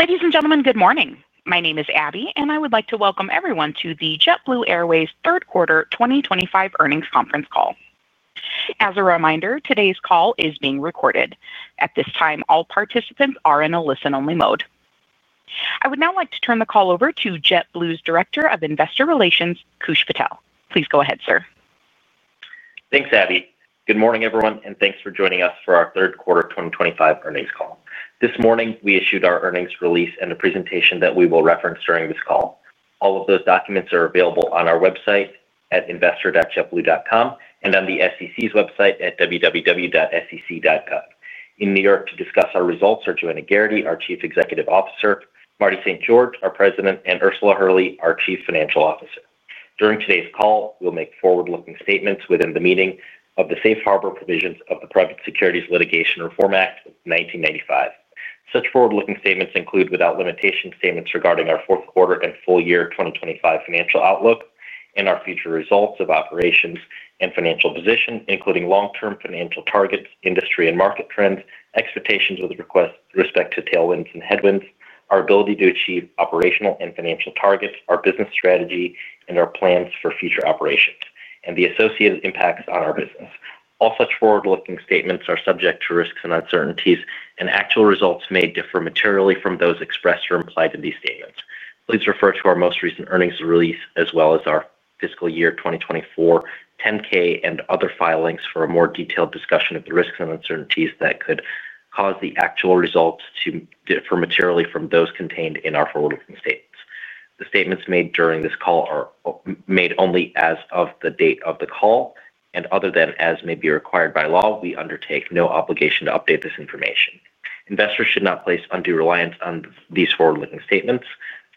Ladies and gentlemen, good morning. My name is Abby, and I would like to welcome everyone to the JetBlue Airways third quarter 2025 earnings conference call. As a reminder, today's call is being recorded. At this time, all participants are in a listen-only mode. I would now like to turn the call over to JetBlue's Director of Investor Relations, Koosh Patel. Please go ahead, sir. Thanks, Abby. Good morning, everyone, and thanks for joining us for our third quarter 2025 earnings call. This morning, we issued our earnings release and a presentation that we will reference during this call. All of those documents are available on our website at investor.jetblue.com and on the SEC's website at www.sec.gov. In New York, to discuss our results, Joanna Geraghty, our Chief Executive Officer, Marty St. George, our President, and Ursula Hurley, our Chief Financial Officer. During today's call, we'll make forward-looking statements within the meaning of the Safe Harbor provisions of the Private Securities Litigation Reform Act of 1995. Such forward-looking statements include without limitation statements regarding our fourth quarter and full year 2025 financial outlook and our future results of operations and financial position, including long-term financial targets, industry and market trends, expectations with respect to tailwinds and headwinds, our ability to achieve operational and financial targets, our business strategy, our plans for future operations, and the associated impacts on our business. All such forward-looking statements are subject to risks and uncertainties, and actual results may differ materially from those expressed or implied in these statements. Please refer to our most recent earnings release, as well as our fiscal year 2024 10-K and other filings for a more detailed discussion of the risks and uncertainties that could cause the actual results to differ materially from those contained in our forward-looking statements. The statements made during this call are made only as of the date of the call, and other than as may be required by law, we undertake no obligation to update this information. Investors should not place undue reliance on these forward-looking statements.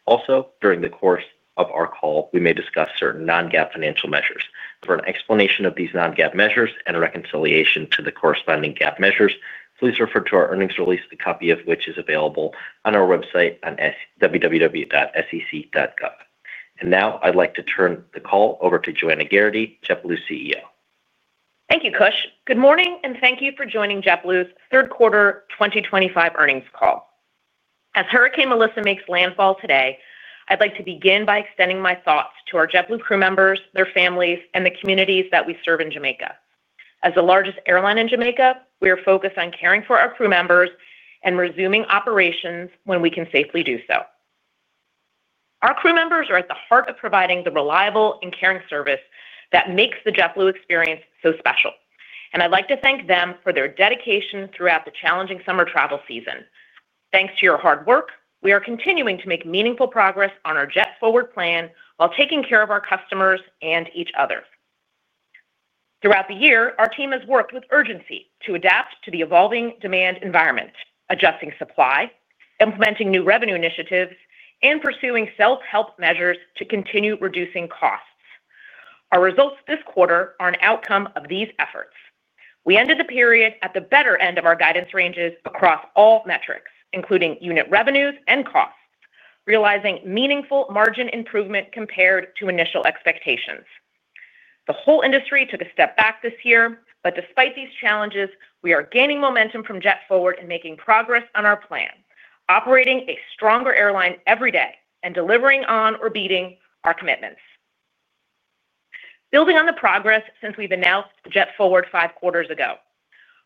Also, during the course of our call, we may discuss certain non-GAAP financial measures. For an explanation of these non-GAAP measures and a reconciliation to the corresponding GAAP measures, please refer to our earnings release, a copy of which is available on our website on www.sec.gov. I would now like to turn the call over to Joanna Geraghty, JetBlue's CEO. Thank you, Koosh. Good morning, and thank you for joining JetBlue's third quarter 2025 earnings call. As Hurricane Melissa makes landfall today, I'd like to begin by extending my thoughts to our JetBlue crew members, their families, and the communities that we serve in Jamaica. As the largest airline in Jamaica, we are focused on caring for our crew members and resuming operations when we can safely do so. Our crew members are at the heart of providing the reliable and caring service that makes the JetBlue experience so special. I’d like to thank them for their dedication throughout the challenging summer travel season. Thanks to your hard work, we are continuing to make meaningful progress on our JetForward plan while taking care of our customers and each other. Throughout the year, our team has worked with urgency to adapt to the evolving demand environment, adjusting supply, implementing new revenue initiatives, and pursuing self-help measures to continue reducing costs. Our results this quarter are an outcome of these efforts. We ended the period at the better end of our guidance ranges across all metrics, including unit revenues and costs, realizing meaningful margin improvement compared to initial expectations. The whole industry took a step back this year. Despite these challenges, we are gaining momentum from JetForward and making progress on our plan, operating a stronger airline every day and delivering on or beating our commitments. Building on the progress since we announced JetForward five quarters ago,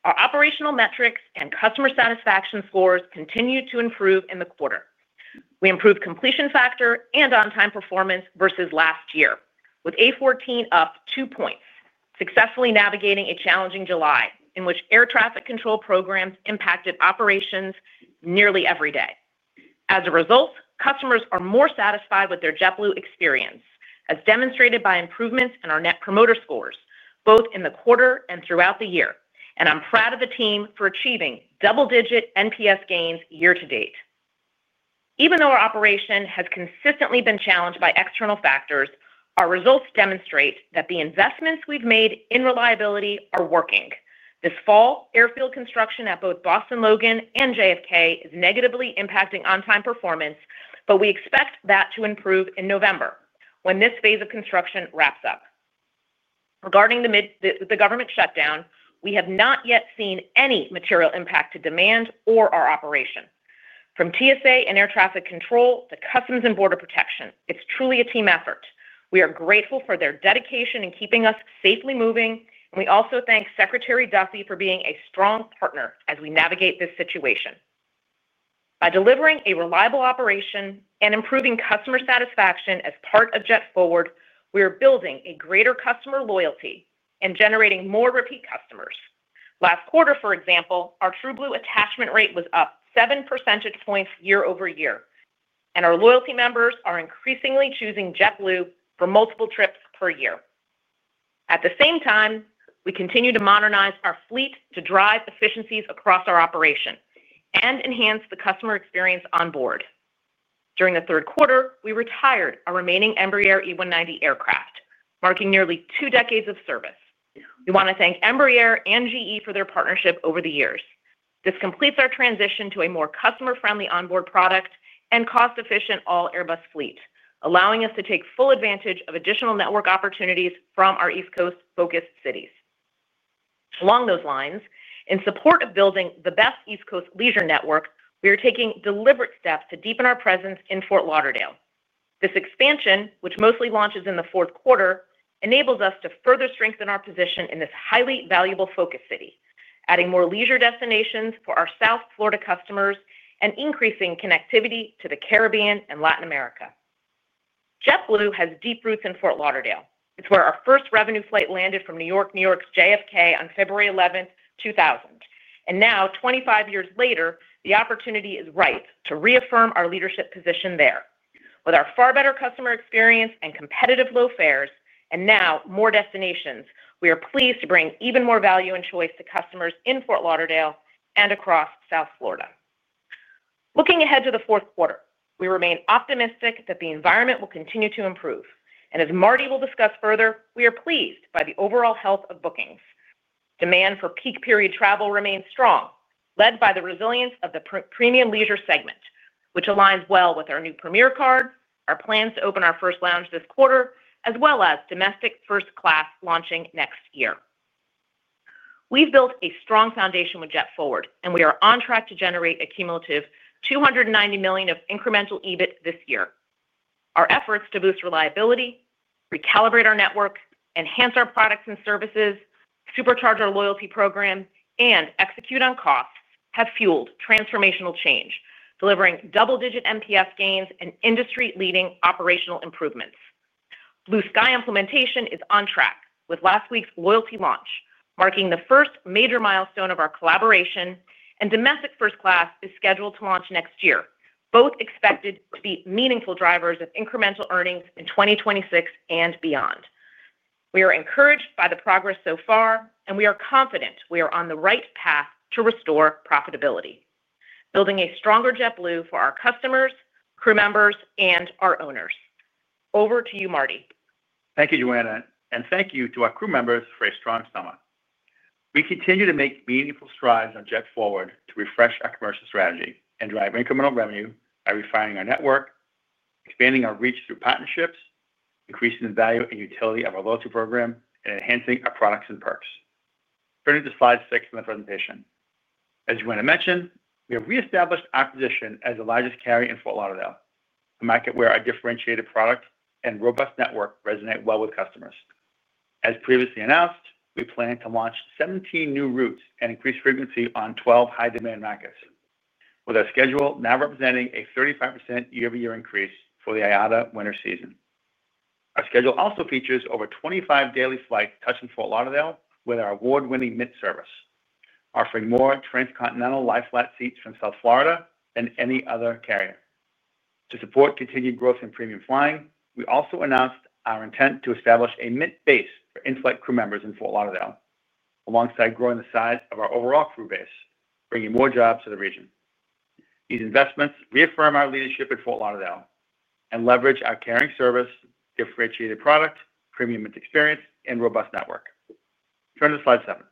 our operational metrics and customer satisfaction scores continue to improve in the quarter. We improved completion factor and on-time performance versus last year, with A14 up two points, successfully navigating a challenging July in which air traffic control programs impacted operations nearly every day. As a result, customers are more satisfied with their JetBlue experience, as demonstrated by improvements in our net promoter scores, both in the quarter and throughout the year. I’m proud of the team for achieving double-digit NPS gains year to date. Even though our operation has consistently been challenged by external factors, our results demonstrate that the investments we've made in reliability are working. This fall, airfield construction at both Boston Logan and JFK is negatively impacting on-time performance, but we expect that to improve in November when this phase of construction wraps up. Regarding the government shutdown, we have not yet seen any material impact to demand or our operation. From TSA and air traffic control to Customs and Border Protection, it's truly a team effort. We are grateful for their dedication in keeping us safely moving, and we also thank Secretary Duffy for being a strong partner as we navigate this situation. By delivering a reliable operation and improving customer satisfaction as part of JetForward, we are building greater customer loyalty and generating more repeat customers. Last quarter, for example, our TrueBlue attachment rate was up 7% year-over-year, and our loyalty members are increasingly choosing JetBlue for multiple trips per year. At the same time, we continue to modernize our fleet to drive efficiencies across our operation and enhance the customer experience onboard. During the third quarter, we retired our remaining Embraer E190 aircraft, marking nearly two decades of service. We want to thank Embraer and GE for their partnership over the years. This completes our transition to a more customer-friendly onboard product and cost-efficient all-Airbus fleet, allowing us to take full advantage of additional network opportunities from our East Coast-focused cities. Along those lines, in support of building the best East Coast leisure network, we are taking deliberate steps to deepen our presence in Fort Lauderdale. This expansion, which mostly launches in the fourth quarter, enables us to further strengthen our position in this highly valuable focus city, adding more leisure destinations for our South Florida customers and increasing connectivity to the Caribbean and Latin America. JetBlue has deep roots in Fort Lauderdale. It's where our first revenue flight landed from New York's JFK on February 11TH, 2000. Now, 25 years later, the opportunity is ripe to reaffirm our leadership position there. With our far better customer experience and competitive low fares and now more destinations, we are pleased to bring even more value and choice to customers in Fort Lauderdale and across South Florida. Looking ahead to the fourth quarter, we remain optimistic that the environment will continue to improve. As Marty will discuss further, we are pleased by the overall health of bookings. Demand for peak period travel remains strong, led by the resilience of the premium leisure segment, which aligns well with our new Premier credit card, our plans to open our first lounge this quarter, as well as domestic first class launching next year. We've built a strong foundation with JetForward, and we are on track to generate a cumulative $290 million of incremental EBIT this year. Our efforts to boost reliability, recalibrate our network, enhance our products and services, supercharge our loyalty program, and execute on costs have fueled transformational change, delivering double-digit NPS gains and industry-leading operational improvements. Blue Sky implementation is on track, with last week's loyalty launch marking the first major milestone of our collaboration, and domestic first class is scheduled to launch next year, both expected to be meaningful drivers of incremental earnings in 2026 and beyond. We are encouraged by the progress so far, and we are confident we are on the right path to restore profitability, building a stronger JetBlue for our customers, crew members, and our owners. Over to you, Marty. Thank you, Joanna, and thank you to our crew members for a strong summer. We continue to make meaningful strides on JetForward to refresh our commercial strategy and drive incremental revenue by refining our network, expanding our reach through partnerships, increasing the value and utility of our loyalty program, and enhancing our products and perks. Turning to slide six of the presentation. As Joanna mentioned, we have reestablished our position as the largest carrier in Fort Lauderdale, a market where our differentiated product and robust network resonate well with customers. As previously announced, we plan to launch 17 new routes and increase frequency on 12 high-demand markets, with our schedule now representing a 35% year-over-year increase for the IATA winter season. Our schedule also features over 25 daily flights touching Fort Lauderdale with our award-winning Mint service, offering more transcontinental lie flat seats from South Florida than any other carrier. To support continued growth in premium flying, we also announced our intent to establish a Mint base for in-flight crew members in Fort Lauderdale, alongside growing the size of our overall crew base, bringing more jobs to the region. These investments reaffirm our leadership in Fort Lauderdale and leverage our caring service, differentiated product, premium experience, and robust network. Turn to slide seven.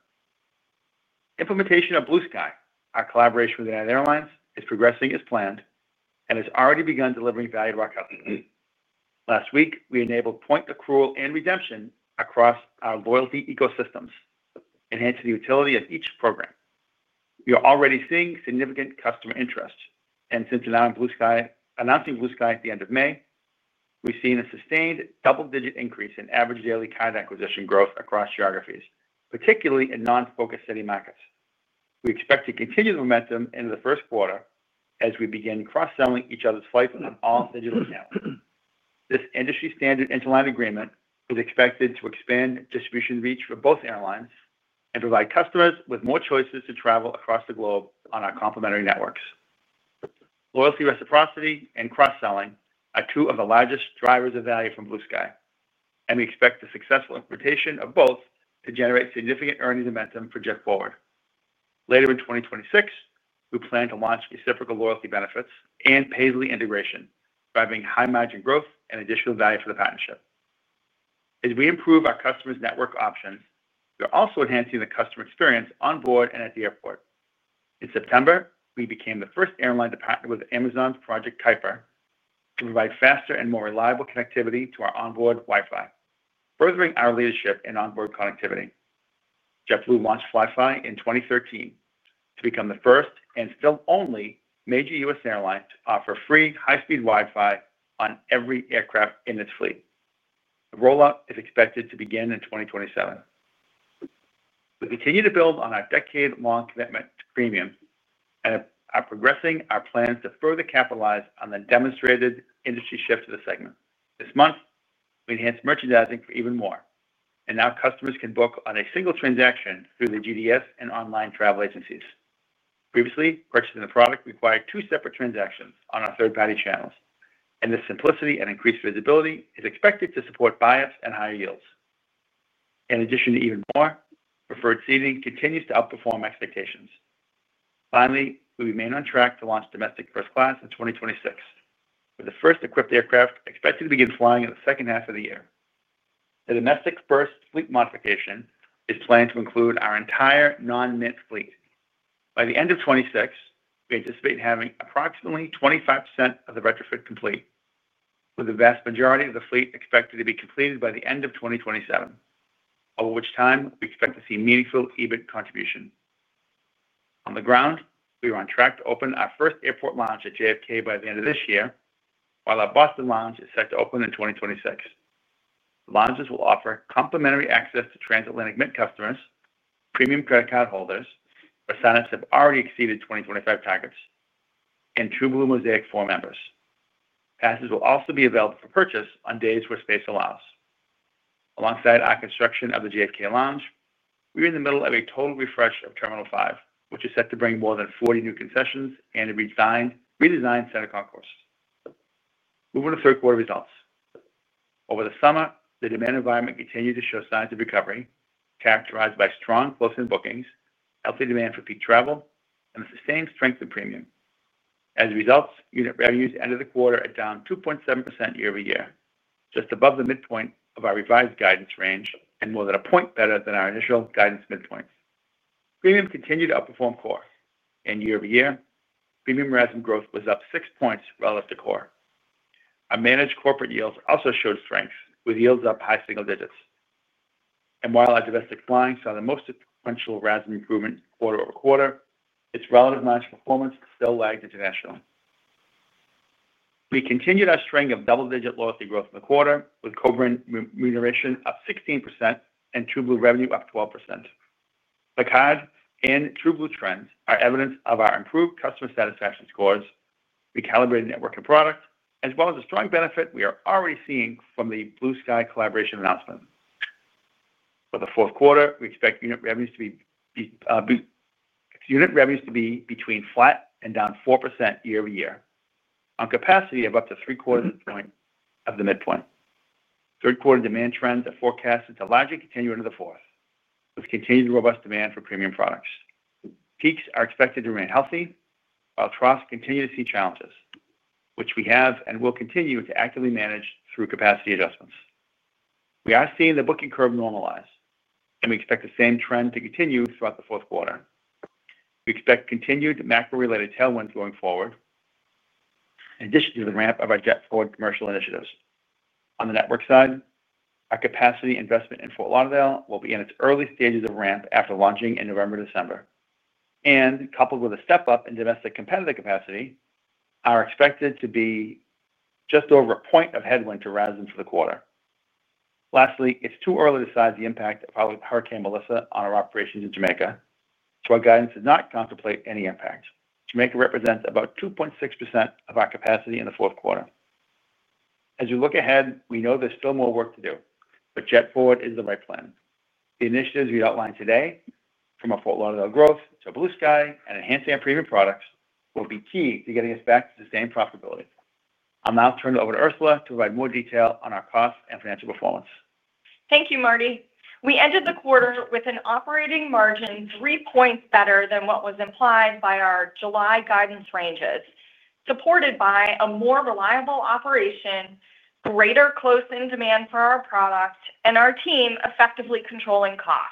Implementation of Blue Sky, our collaboration with United Airlines, is progressing as planned and has already begun delivering value to our customers. Last week, we enabled point accrual and redemption across our loyalty ecosystems, enhancing the utility of each program. We are already seeing significant customer interest, and since announcing Blue Sky at the end of May, we've seen a sustained double-digit increase in average daily acquisition growth across geographies, particularly in non-focused city markets. We expect to continue the momentum into the first quarter as we begin cross-selling each other's flights on all digital channels. This industry-standard interlinear agreement is expected to expand distribution reach for both airlines and provide customers with more choices to travel across the globe on our complementary networks. Loyalty, reciprocity, and cross-selling are two of the largest drivers of value from Blue Sky, and we expect the successful implementation of both to generate significant earnings momentum for JetForward. Later in 2026, we plan to launch reciprocal loyalty benefits and Paisly integration, driving high margin growth and additional value for the partnership. As we improve our customers' network options, we are also enhancing the customer experience onboard and at the airport. In September, we became the first airline to partner with Amazon's Project Kuiper to provide faster and more reliable connectivity to our onboard Wi-Fi, furthering our leadership in onboard connectivity. JetBlue launched Wi-Fi in 2013 to become the first and still only major U.S. airline to offer free high-speed Wi-Fi on every aircraft in its fleet. The rollout is expected to begin in 2027. We continue to build on our decade-long commitment to premium and are progressing our plans to further capitalize on the demonstrated industry shift to the segment. This month, we enhanced merchandising for EvenMore, and now customers can book on a single transaction through the GDS and online travel agencies. Previously, purchasing the product required two separate transactions on our third-party channels, and the simplicity and increased visibility is expected to support buy-ups and higher yields. In addition to EvenMore, preferred seating continues to outperform expectations. Finally, we remain on track to launch domestic first class in 2026, with the first equipped aircraft expected to begin flying in the second half of the year. The domestic first fleet modification is planned to include our entire non-Mint fleet. By the end of 2026, we anticipate having approximately 25% of the retrofit complete, with the vast majority of the fleet expected to be completed by the end of 2027, over which time we expect to see meaningful EBIT contribution. On the ground, we are on track to open our first airport lounge at JFK by the end of this year, while our Boston lounge is set to open in 2026. The lounges will offer complimentary access to transatlantic Mint customers, Premier credit card holders, for signups that have already exceeded 2025 targets, and TrueBlue Mosaic members. Passes will also be available for purchase on days where space allows. Alongside our construction of the JFK lounge, we are in the middle of a total refresh of Terminal 5, which is set to bring more than 40 new concessions and a redesigned center concourse. Moving to third quarter results. Over the summer, the demand environment continues to show signs of recovery, characterized by strong closing bookings, healthy demand for peak travel, and the sustained strength in premium. As a result, unit revenues ended the quarter at down 2.7% year-over-year, just above the midpoint of our revised guidance range and more than a point better than our initial guidance midpoint. Premium continued to outperform core, and year-over-year, premium rising growth was up 6 points relative to core. Our managed corporate yields also showed strength, with yields up high single digits. While our domestic flying saw the most potential rising improvement quarter over quarter, its relative launch performance still lagged internationally. We continued our string of double-digit loyalty growth in the quarter, with co-brand remuneration up 16% and TrueBlue revenue up 12%. The card and TrueBlue trends are evidence of our improved customer satisfaction scores, recalibrated network and product, as well as a strong benefit we are already seeing from the Blue Sky collaboration announcement. For the fourth quarter, we expect unit revenues to be between flat and down 4% year-over-year on capacity of up to three quarters of a point of the midpoint. Third quarter demand trends are forecasted to largely continue into the fourth, with continued robust demand for premium products. Peaks are expected to remain healthy, while troughs continue to see challenges, which we have and will continue to actively manage through capacity adjustments. We are seeing the booking curve normalize, and we expect the same trend to continue throughout the fourth quarter. We expect continued macro-related tailwinds going forward, in addition to the ramp of our JetForward commercial initiatives. On the network side, our capacity investment in Fort Lauderdale will be in its early stages of ramp after launching in November-December, and coupled with a step up in domestic competitive capacity, are expected to be just over a point of headwind to rising for the quarter. Lastly, it's too early to size the impact of Hurricane Melissa on our operations in Jamaica, so our guidance does not contemplate any impact. Jamaica represents about 2.6% of our capacity in the fourth quarter. As we look ahead, we know there's still more work to do, but JetForward is the right plan. The initiatives we outlined today, from our Fort Lauderdale growth to Blue Sky and enhancing our premium products, will be key to getting us back to sustained profitability. I'll now turn it over to Ursula to provide more detail on our costs and financial performance. Thank you, Marty. We ended the quarter with an operating margin 3 points better than what was implied by our July guidance ranges, supported by a more reliable operation, greater closing demand for our product, and our team effectively controlling costs.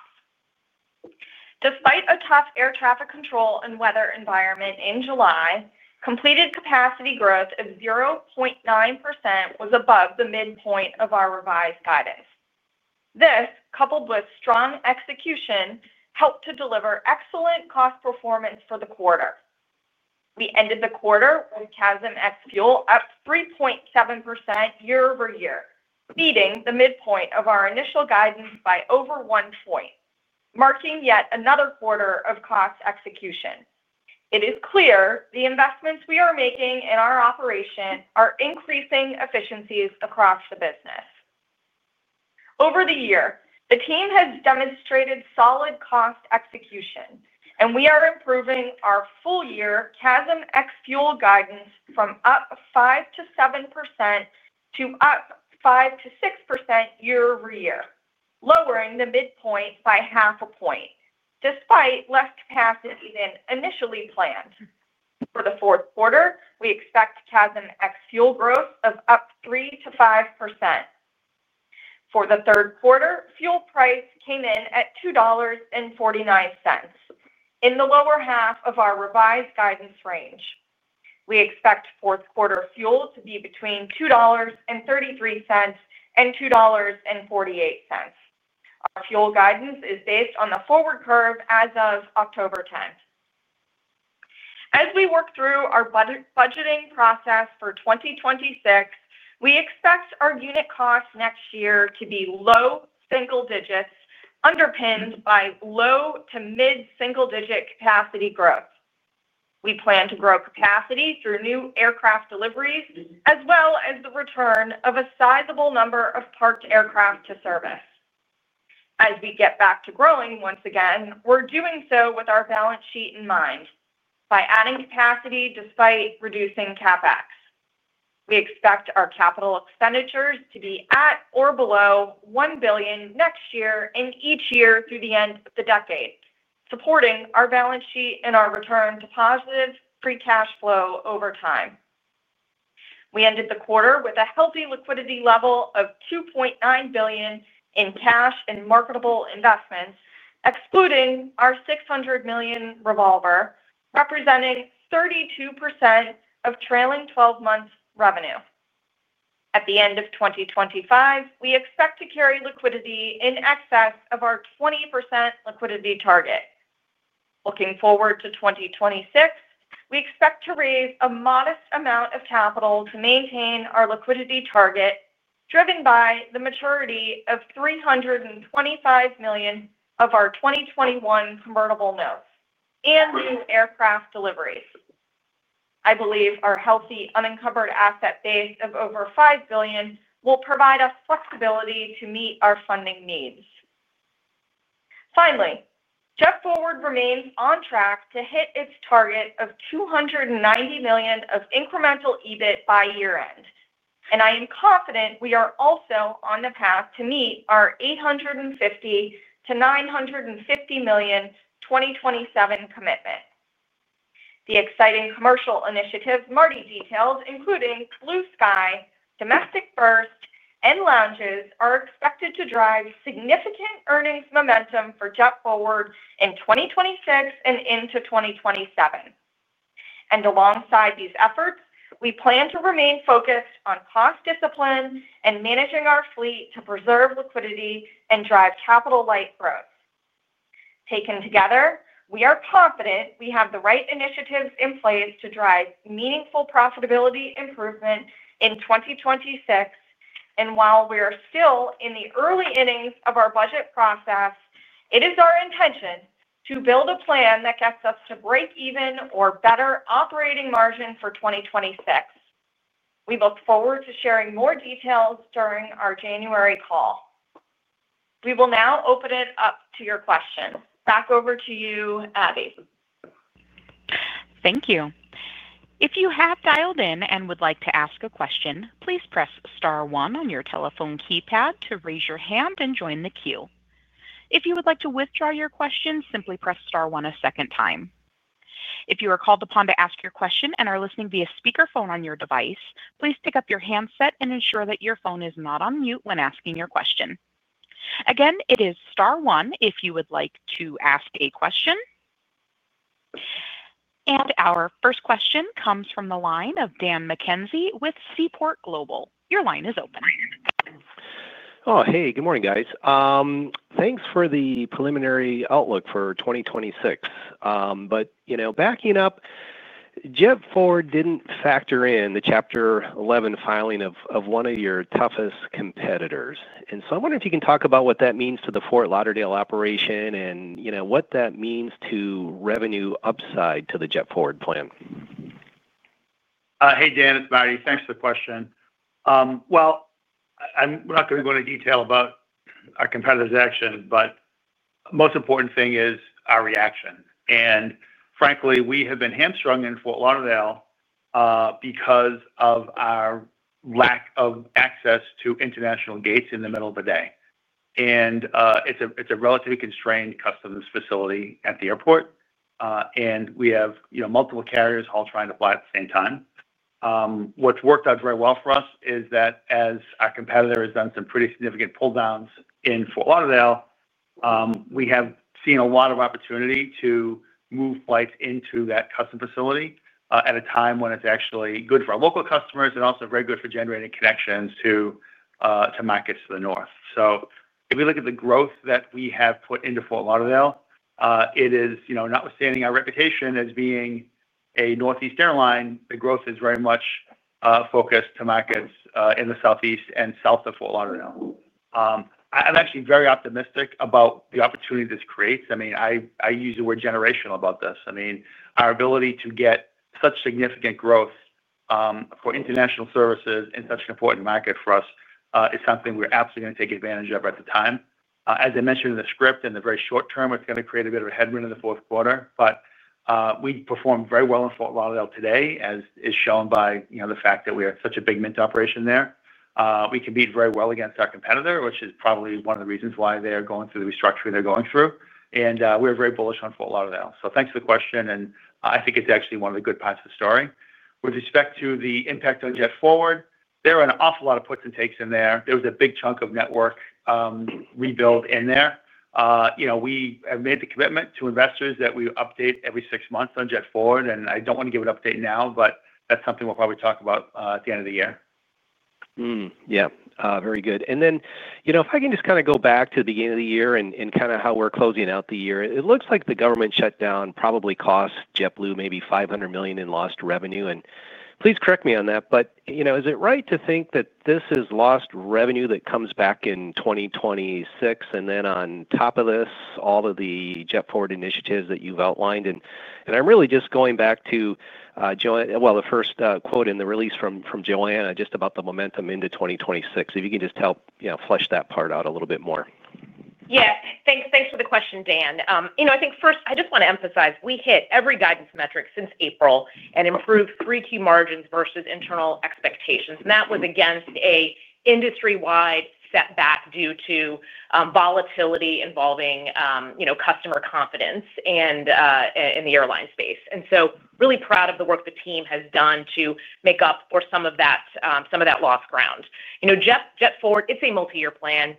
Despite a tough air traffic control and weather environment in July, completed capacity growth of 0.9% was above the midpoint of our revised guidance. This, coupled with strong execution, helped to deliver excellent cost performance for the quarter. We ended the quarter with CASM ex-fuel up 3.7% year-over-year, beating the midpoint of our initial guidance by over 1 point, marking yet another quarter of cost execution. It is clear the investments we are making in our operation are increasing efficiencies across the business. Over the year, the team has demonstrated solid cost execution, and we are improving our full-year CASM ex-fuel guidance from up 5%-7% to up 5%-6% year-over-year, lowering the midpoint by half a point, despite less capacity than initially planned. For the fourth quarter, we expect CASM ex-fuel growth of up 3%-5%. For the third quarter, fuel price came in at $2.49 in the lower half of our revised guidance range. We expect fourth quarter fuel to be between $2.33 and $2.48. Our fuel guidance is based on the forward curve as of October 10. As we work through our budgeting process for 2026, we expect our unit costs next year to be low single digits, underpinned by low to mid-single digit capacity growth. We plan to grow capacity through new aircraft deliveries, as well as the return of a sizable number of parked aircraft to service. As we get back to growing once again, we're doing so with our balance sheet in mind, by adding capacity despite reducing CapEx. We expect our capital expenditures to be at or below $1 billion next year and each year through the end of the decade, supporting our balance sheet and our return to positive free cash flow over time. We ended the quarter with a healthy liquidity level of $2.9 billion in cash and marketable investments, excluding our $600 million revolver, representing 32% of trailing 12 months' revenue. At the end of 2025, we expect to carry liquidity in excess of our 20% liquidity target. Looking forward to 2026, we expect to raise a modest amount of capital to maintain our liquidity target, driven by the maturity of $325 million of our 2021 convertible notes and new aircraft deliveries. I believe our healthy unencumbered asset base of over $5 billion will provide us flexibility to meet our funding needs. JetForward remains on track to hit its target of $290 million of incremental EBIT by year-end, and I am confident we are also on the path to meet our $850 million-$950 million 2027 commitment. The exciting commercial initiatives Marty St. George details, including Blue Sky, domestic first, and lounges, are expected to drive significant earnings momentum for JetForward in 2026 and into 2027. Alongside these efforts, we plan to remain focused on cost discipline and managing our fleet to preserve liquidity and drive capital-like growth. Taken together, we are confident we have the right initiatives in place to drive meaningful profitability improvement in 2026. While we are still in the early innings of our budget process, it is our intention to build a plan that gets us to break even or better operating margin for 2026. We look forward to sharing more details during our January call. We will now open it up to your questions. Back over to you, Abby. Thank you. If you have dialed in and would like to ask a question, please press star one on your telephone keypad to raise your hand and join the queue. If you would like to withdraw your question, simply press star one a second time. If you are called upon to ask your question and are listening via speakerphone on your device, please pick up your handset and ensure that your phone is not on mute when asking your question. Again, it is star one if you would like to ask a question. Our first question comes from the line of Dan McKenzie with Seaport Global. Your line is open. Oh, hey, good morning, guys. Thanks for the preliminary outlook for 2026. Backing up, JetForward didn't factor in the Chapter 11 filing of one of your toughest competitors. I'm wondering if you can talk about what that means to the Fort Lauderdale operation and what that means to revenue upside to the JetForward plan. Hey, Dan, it's Marty. Thanks for the question. I'm not going to go into detail about our competitors' action, but the most important thing is our reaction. Frankly, we have been hamstrung in Fort Lauderdale because of our lack of access to international gates in the middle of the day. It's a relatively constrained customs facility at the airport, and we have multiple carriers all trying to fly at the same time. What's worked out very well for us is that as our competitor has done some pretty significant pull-downs in Fort Lauderdale, we have seen a lot of opportunity to move flights into that customs facility at a time when it's actually good for our local customers and also very good for generating connections to markets to the north. If we look at the growth that we have put into Fort Lauderdale, notwithstanding our reputation as being a Northeast airline, the growth is very much focused to markets in the southeast and south of Fort Lauderdale. I'm actually very optimistic about the opportunity this creates. I use the word generational about this. Our ability to get such significant growth for international services in such an important market for us is something we're absolutely going to take advantage of at the time. As I mentioned in the script, in the very short term, it's going to create a bit of a headwind in the fourth quarter. We perform very well in Fort Lauderdale today, as is shown by the fact that we are such a big Mint operation there. We can compete very well against our competitor, which is probably one of the reasons why they are going through the restructuring they're going through. We are very bullish on Fort Lauderdale. Thanks for the question. I think it's actually one of the good parts of the story. With respect to the impact on JetForward, there are an awful lot of puts and takes in there. There was a big chunk of network rebuild in there. We have made the commitment to investors that we update every six months on JetForward. I don't want to give an update now, but that's something we'll probably talk about at the end of the year. Very good. If I can just kind of go back to the beginning of the year and kind of how we're closing out the year, it looks like the government shutdown probably cost JetBlue maybe $500 million in lost revenue. Please correct me on that, but is it right to think that this is lost revenue that comes back in 2026? On top of this, all of the JetForward initiatives that you've outlined. I'm really just going back to the first quote in the release from Joanna just about the momentum into 2026. If you can just help flesh that part out a little bit more. Yeah, thanks. Thanks for the question, Dan. I think first, I just want to emphasize we hit every guidance metric since April and improved three key margins versus internal expectations. That was against an industry-wide setback due to volatility involving customer confidence in the airline space. I am really proud of the work the team has done to make up for some of that lost ground. JetForward, it's a multi-year plan.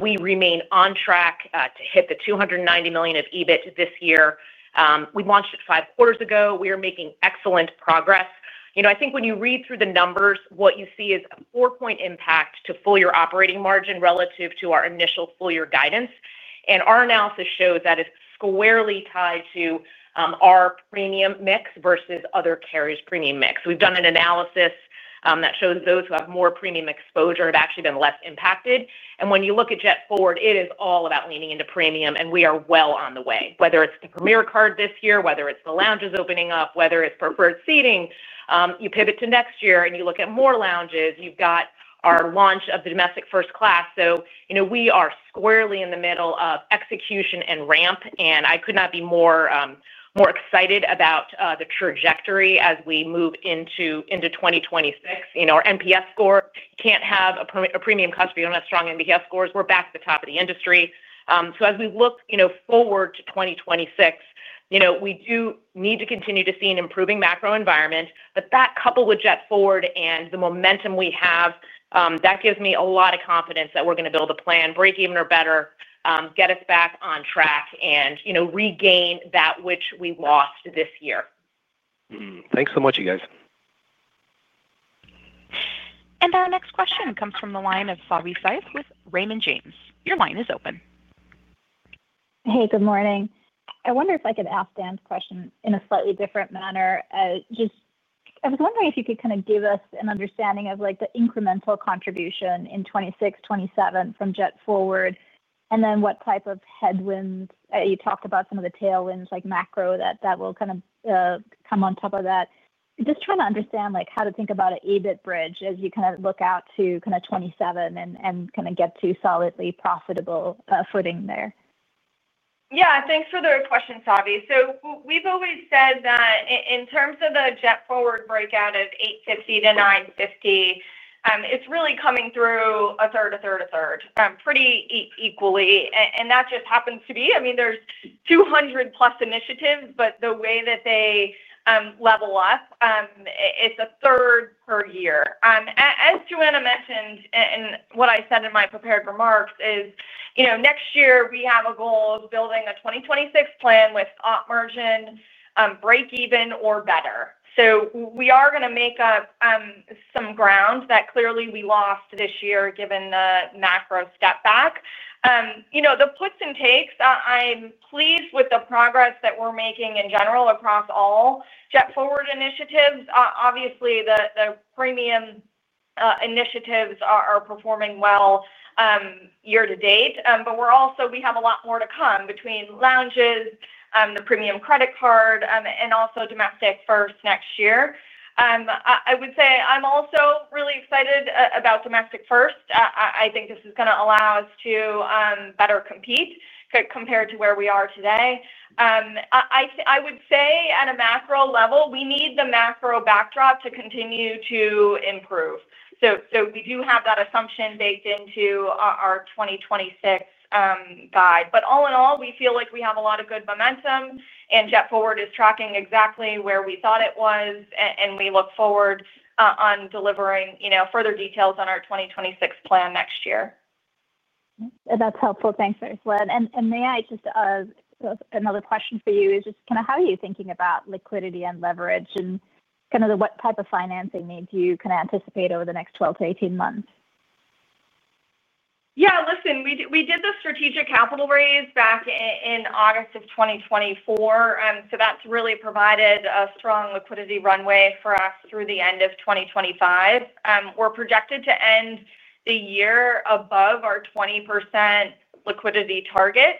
We remain on track to hit the $290 million of EBIT this year. We launched it five quarters ago. We are making excellent progress. I think when you read through the numbers, what you see is a four-point impact to full-year operating margin relative to our initial full-year guidance. Our analysis shows that it's squarely tied to our premium mix versus other carriers' premium mix. We've done an analysis that shows those who have more premium exposure have actually been less impacted. When you look at JetForward, it is all about leaning into premium, and we are well on the way. Whether it's the Premier credit card this year, whether it's the lounges opening up, whether it's preferred seating, you pivot to next year and you look at more lounges, you've got our launch of the domestic first class. We are squarely in the middle of execution and ramp, and I could not be more excited about the trajectory as we move into 2026. Our NPS score, you can't have a premium customer who doesn't have strong NPS score. We're back to the top of the industry. As we look forward to 2026, we do need to continue to see an improving macro environment. That, coupled with JetForward and the momentum we have, gives me a lot of confidence that we're going to build a plan, break even or better, get us back on track and regain that which we lost this year. Thanks so much, you guys. Our next question comes from the line of Savi Syth with Raymond James. Your line is open. Hey, good morning. I wonder if I could ask Dan's question in a slightly different manner. I was wondering if you could kind of give us an understanding of the incremental contribution in 2026, 2027 from JetForward, and then what type of headwinds you talked about, some of the tailwinds like macro that will kind of come on top of that. Just trying to understand how to think about an EBIT bridge as you look out to 2027 and get to solidly profitable footing there. Yeah, thanks for the question, Savi. We've always said that in terms of the JetForward breakout of $850-$950, it's really coming through a third, a third, a third, pretty equally. That just happens to be, I mean, there's 200+ initiatives, but the way that they level up, it's a third per year. As Joanna mentioned, and what I said in my prepared remarks is, next year we have a goal of building a 2026 plan with operating margin break even or better. We are going to make up some ground that clearly we lost this year given the macro step back. The puts and takes, I'm pleased with the progress that we're making in general across all JetForward initiatives. Obviously, the premium initiatives are performing well year to date, but we also have a lot more to come between lounges, the premium credit card, and also domestic first next year. I would say I'm also really excited about domestic first. I think this is going to allow us to better compete compared to where we are today. I would say at a macro level, we need the macro backdrop to continue to improve. We do have that assumption baked into our 2026 guide. All in all, we feel like we have a lot of good momentum, and JetForward is tracking exactly where we thought it was, and we look forward to delivering further details on our 2026 plan next year. That's helpful. Thanks, Ursula. May I just ask another question for you? How are you thinking about liquidity and leverage, and what type of financing needs you anticipate over the next 12-18 months? Yeah, listen, we did the strategic capital raise back in August of 2024. That's really provided a strong liquidity runway for us through the end of 2025. We're projected to end the year above our 20% liquidity target.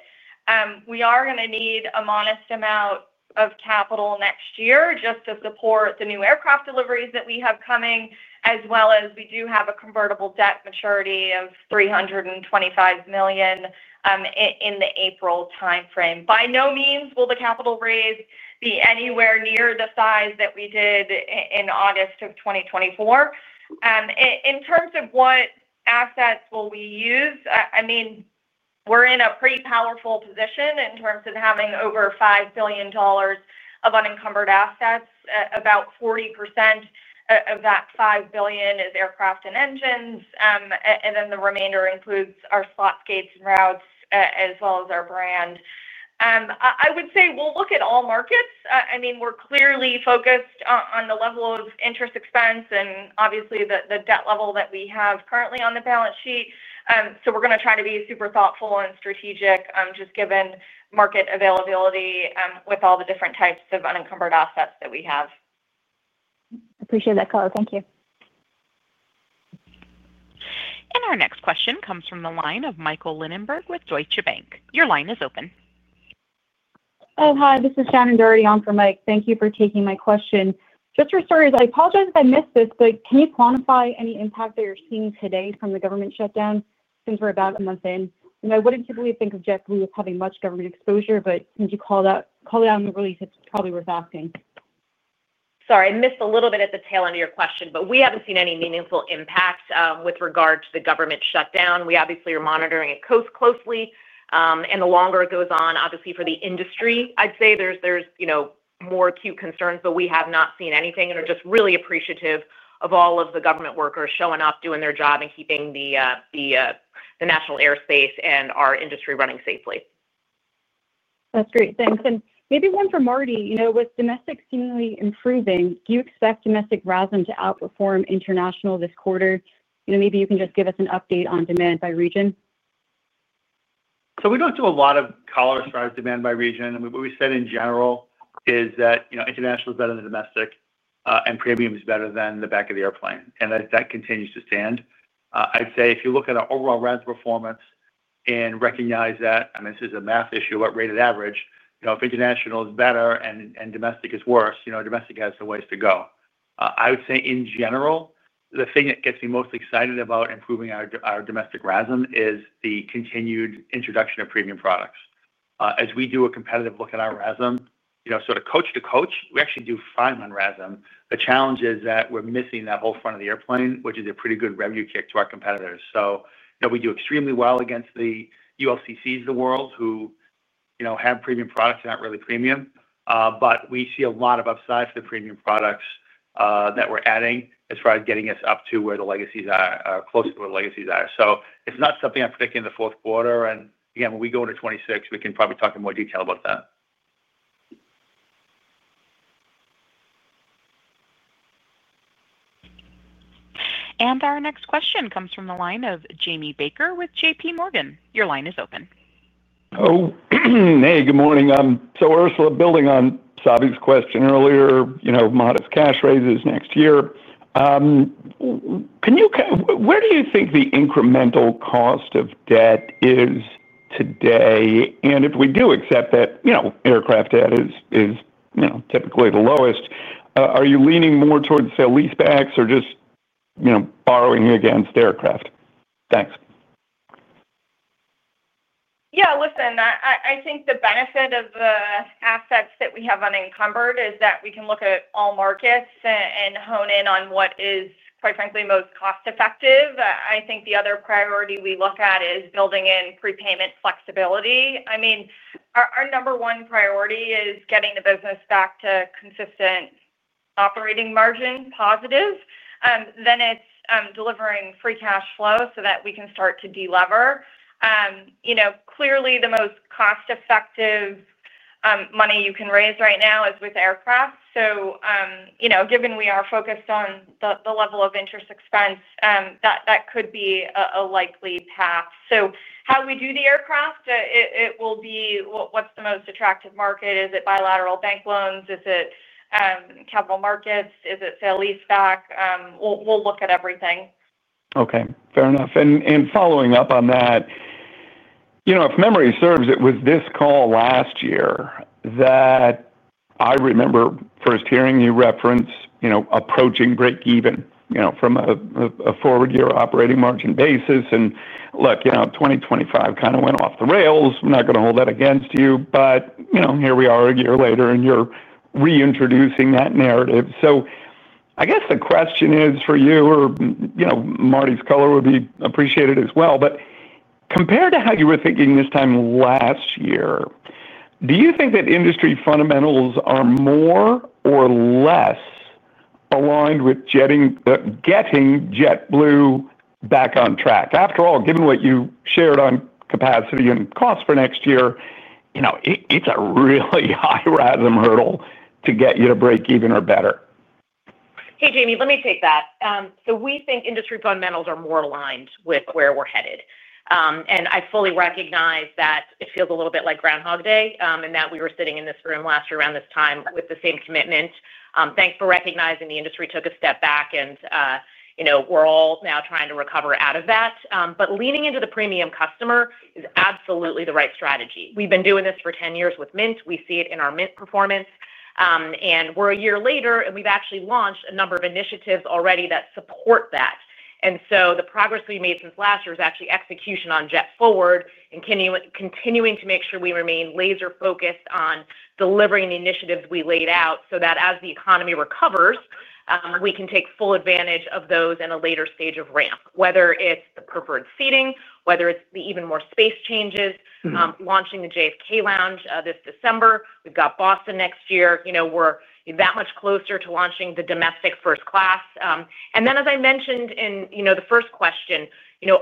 We are going to need a modest amount of capital next year just to support the new aircraft deliveries that we have coming, as well as we do have a convertible debt maturity of $325 million in the April timeframe. By no means will the capital raise be anywhere near the size that we did in August of 2024. In terms of what assets will we use, we're in a pretty powerful position in terms of having over $5 billion of unencumbered assets. About 40% of that $5 billion is aircraft and engines, and then the remainder includes our slots, gates, and routes, as well as our brand. I would say we'll look at all markets. We're clearly focused on the level of interest expense and obviously the debt level that we have currently on the balance sheet. We're going to try to be super thoughtful and strategic just given market availability with all the different types of unencumbered assets that we have. Appreciate that call. Thank you. Our next question comes from the line of Michael Lindenberg with Deutsche Bank. Your line is open. Oh, hi. This is Shannon Doherty on for Mike. Thank you for taking my question. Just for starters, I apologize if I missed this, but can you quantify any impact that you're seeing today from the government shutdown since we're about a month in? I wouldn't typically think of JetBlue as having much government exposure, but since you called out in the release, it's probably worth asking. Sorry, I missed a little bit at the tail end of your question, but we haven't seen any meaningful impact with regard to the government shutdown. We obviously are monitoring it closely. The longer it goes on, obviously for the industry, I'd say there's, you know, more acute concerns, but we have not seen anything and are just really appreciative of all of the government workers showing up, doing their job, and keeping the national airspace and our industry running safely. That's great. Thanks. Maybe one for Marty. You know, with domestic seemingly improving, do you expect domestic routing to outperform international this quarter? You know, maybe you can just give us an update on demand by region. We do not do a lot of column size demand by region. What we said in general is that, you know, international is better than domestic and premium is better than the back of the airplane. That continues to stand. I'd say if you look at our overall routes performance and recognize that this is a math issue, but rated average, you know, if international is better and domestic is worse, domestic has a ways to go. I would say in general, the thing that gets me most excited about improving our domestic routing is the continued introduction of premium products. As we do a competitive look at our routing, sort of coach to coach, we actually do fine on routing. The challenge is that we're missing that whole front of the airplane, which is a pretty good revenue kick to our competitors. We do extremely well against the ULCCs of the world who have premium products and are not really premium, but we see a lot of upside for the premium products that we're adding as far as getting us up to where the legacies are, closer to where the legacies are. It is not something I'm predicting in the fourth quarter. When we go into 2026, we can probably talk in more detail about that. Our next question comes from the line of Jamie Baker with JPMorgan. Your line is open. Oh, hey, good morning. Ursula, building on Savi's question earlier, modest cash raises next year. Can you, where do you think the incremental cost of debt is today? If we do accept that aircraft debt is typically the lowest, are you leaning more towards, say, leasebacks or just borrowing against aircraft? Thanks. Yeah, listen, I think the benefit of the assets that we have unencumbered is that we can look at all markets and hone in on what is, quite frankly, most cost-effective. I think the other priority we look at is building in prepayment flexibility. I mean, our number one priority is getting the business back to consistent operating margins, positive. Then it's delivering free cash flow so that we can start to delever. You know, clearly the most cost-effective money you can raise right now is with aircraft. Given we are focused on the level of interest expense, that could be a likely path. How we do the aircraft, it will be what's the most attractive market. Is it bilateral bank loans? Is it capital markets? Is it, say, a leaseback? We'll look at everything. Okay, fair enough. Following up on that, if memory serves, it was this call last year that I remember first hearing you reference approaching break even from a forward-year operating margin basis. Look, 2025 kind of went off the rails. We're not going to hold that against you. Here we are a year later and you're reintroducing that narrative. I guess the question is for you, or Marty's color would be appreciated as well. Compared to how you were thinking this time last year, do you think that industry fundamentals are more or less aligned with getting JetBlue back on track? After all, given what you shared on capacity and cost for next year, it's a really high routing hurdle to get you to break even or better. Hey, Jamie, let me take that. We think industry fundamentals are more aligned with where we're headed. I fully recognize that it feels a little bit like Groundhog Day and that we were sitting in this room last year around this time with the same commitment. Thanks for recognizing the industry took a step back and, you know, we're all now trying to recover out of that. Leaning into the premium customer is absolutely the right strategy. We've been doing this for 10 years with Mint. We see it in our Mint performance. We're a year later and we've actually launched a number of initiatives already that support that. The progress we made since last year is actually execution on JetForward and continuing to make sure we remain laser-focused on delivering the initiatives we laid out so that as the economy recovers, we can take full advantage of those in a later stage of ramp, whether it's the preferred seating, whether it's the EvenMore space changes, launching the JFK lounge this December. We've got Boston next year. We're that much closer to launching the domestic first class. As I mentioned in the first question,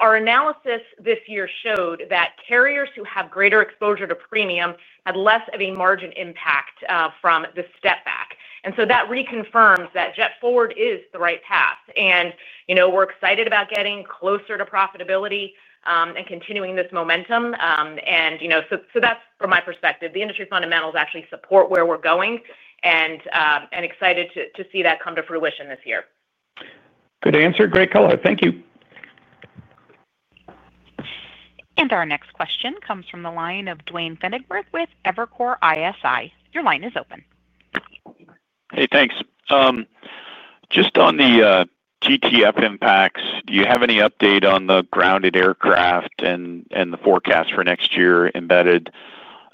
our analysis this year showed that carriers who have greater exposure to premium had less of a margin impact from the step back. That reconfirms that JetForward is the right path. We're excited about getting closer to profitability and continuing this momentum. From my perspective, the industry fundamentals actually support where we're going and I'm excited to see that come to fruition this year. Good answer, great color. Thank you. Our next question comes from the line of Duane Pfennigwerth with Evercore ISI. Your line is open. Hey, thanks. Just on the GTF impacts, do you have any update on the grounded aircraft and the forecast for next year embedded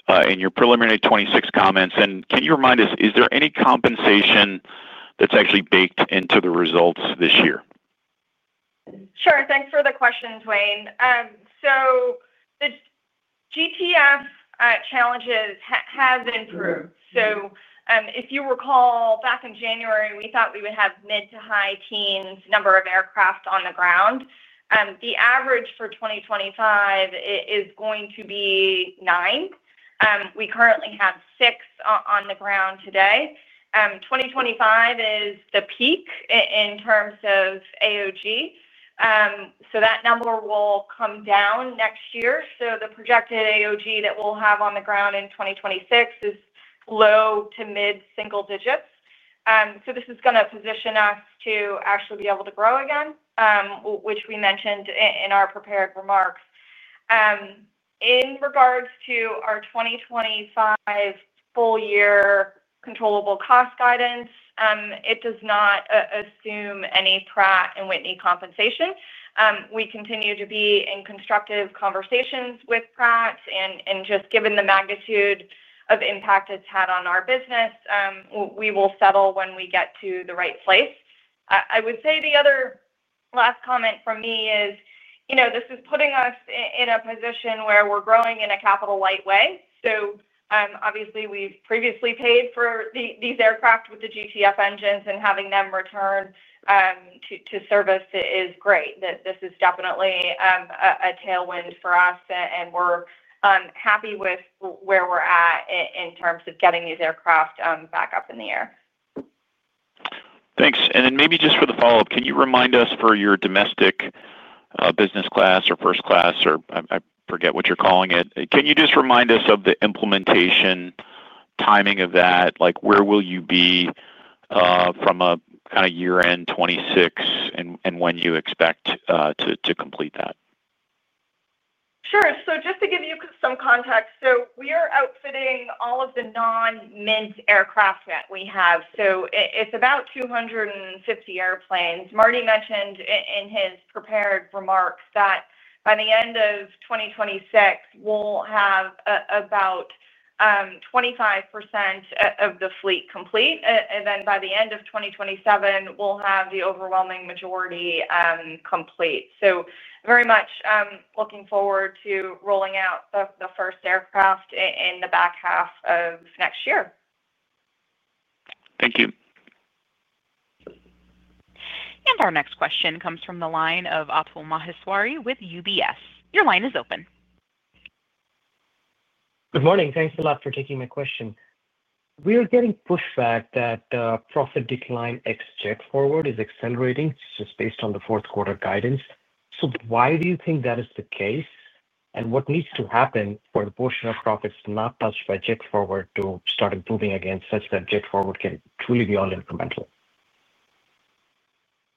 in your preliminary 2026 comments? Can you remind us, is there any compensation that's actually baked into the results this year? Sure, thanks for the question, Duane. The GTF challenges have improved. If you recall back in January, we thought we would have mid to high teens number of aircraft on the ground. The average for 2025 is going to be nine. We currently have six on the ground today. 2025 is the peak in terms of AOG. That number will come down next year. The projected AOG that we'll have on the ground in 2026 is low to mid single digits. This is going to position us to actually be able to grow again, which we mentioned in our prepared remarks. In regards to our 2025 full-year controllable cost guidance, it does not assume any Pratt & Whitney compensation. We continue to be in constructive conversations with Pratt and just given the magnitude of impact it's had on our business, we will settle when we get to the right place. I would say the other last comment from me is, you know, this is putting us in a position where we're growing in a capital light way. Obviously, we've previously paid for these aircraft with the GTF engines and having them return to service is great. This is definitely a tailwind for us and we're happy with where we're at in terms of getting these aircraft back up in the air. Thanks. Maybe just for the follow-up, can you remind us for your domestic business class or first class, or I forget what you're calling it, can you just remind us of the implementation timing of that? Where will you be from a kind of year-end 2026 and when you expect to complete that? Sure. Just to give you some context, we are outfitting all of the non-Mint aircraft that we have. It's about 250 airplanes. Marty mentioned in his prepared remarks that by the end of 2026, we'll have about 25% of the fleet complete. By the end of 2027, we'll have the overwhelming majority complete. Very much looking forward to rolling out the first aircraft in the back half of next year. Thank you. Our next question comes from the line of Atul Maheswari with UBS. Your line is open. Good morning. Thanks a lot for taking my question. We are getting pushback that profit decline ex JetForward is accelerating just based on the fourth quarter guidance. Why do you think that is the case? What needs to happen for the portion of profits not touched by JetForward to start improving again such that JetForward can truly be all incremental?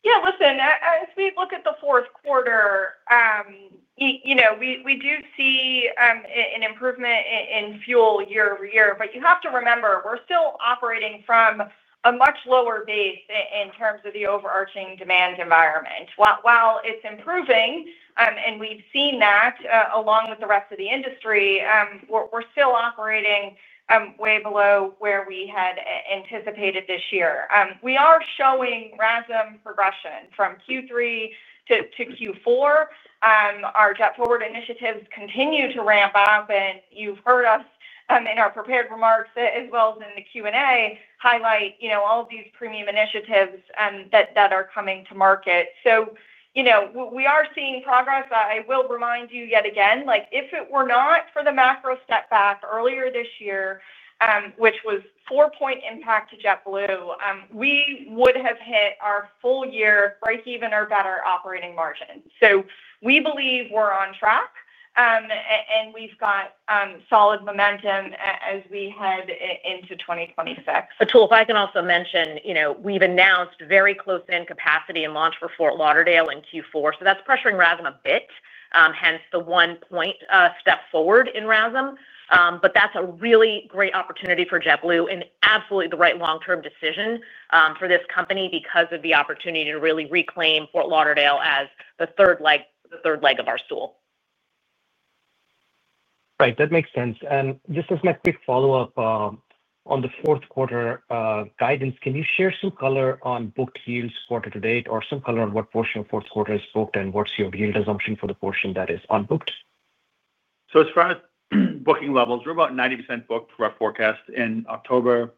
Yeah, listen, as we look at the fourth quarter, we do see an improvement in fuel year-over-year. You have to remember, we're still operating from a much lower base in terms of the overarching demand environment. While it's improving, and we've seen that along with the rest of the industry, we're still operating way below where we had anticipated this year. We are showing routing progression from Q3 to Q4. Our JetForward initiatives continue to ramp up, and you've heard us in our prepared remarks as well as in the Q&A highlight all of these premium initiatives that are coming to market. We are seeing progress. I will remind you yet again, if it were not for the macro setback earlier this year, which was 4% impact to JetBlue, we would have hit our full-year break even or better operating margin. We believe we're on track, and we've got solid momentum as we head into 2026. If I can also mention, you know, we've announced very close-end capacity and launch for Fort Lauderdale in Q4. That's pressuring routing a bit, hence the one-point step forward in routing. That's a really great opportunity for JetBlue and absolutely the right long-term decision for this company because of the opportunity to really reclaim Fort Lauderdale as the third leg of our stool. Right, that makes sense. Just as my quick follow-up on the fourth quarter guidance, can you share some color on booked yields quarter to date or some color on what portion of fourth quarter is booked, and what's your yield assumption for the portion that is unbooked? As far as booking levels, we're about 90% booked for our forecast in October,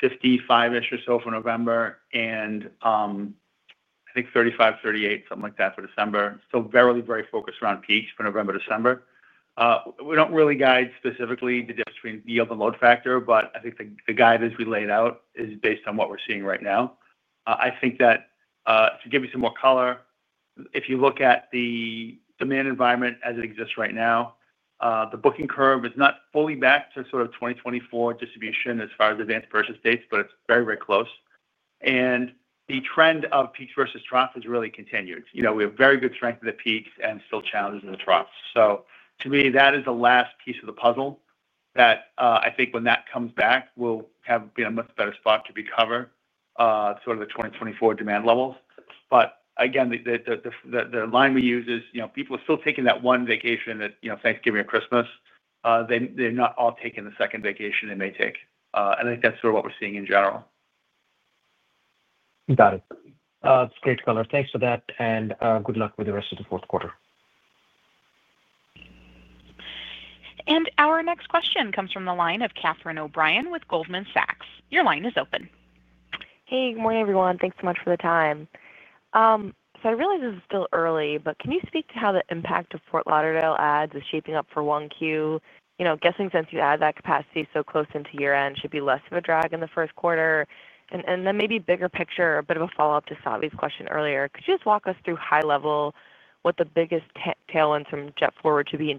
55% or so for November, and I think 35%, 38%, something like that for December. It is really very focused around peaks for November and December. We don't really guide specifically the difference between yield and load factor, but I think the guidance we laid out is based on what we're seeing right now. To give you some more color, if you look at the demand environment as it exists right now, the booking curve is not fully back to sort of 2024 distribution as far as advanced purchase dates, but it's very, very close. The trend of peaks versus trough has really continued. We have very good strength in the peaks and still challenges in the troughs. To me, that is the last piece of the puzzle that I think when that comes back, we'll have been in a much better spot to recover sort of the 2024 demand levels. The line we use is, you know, people are still taking that one vacation at, you know, Thanksgiving or Christmas. They're not all taking the second vacation they may take. I think that's sort of what we're seeing in general. Got it. That's great color. Thanks for that, and good luck with the rest of the fourth quarter. Our next question comes from the line of Catherine O'Brien with Goldman Sachs. Your line is open. Hey, good morning everyone. Thanks so much for the time. I realize this is still early, but can you speak to how the impact of Fort Lauderdale adds is shaping up for Q1? Guessing since you add that capacity so close into year-end, it should be less of a drag in the first quarter. Maybe a bigger picture, a bit of a follow-up to Savi's question earlier. Could you just walk us through high level what the biggest tailwinds from JetForward should be in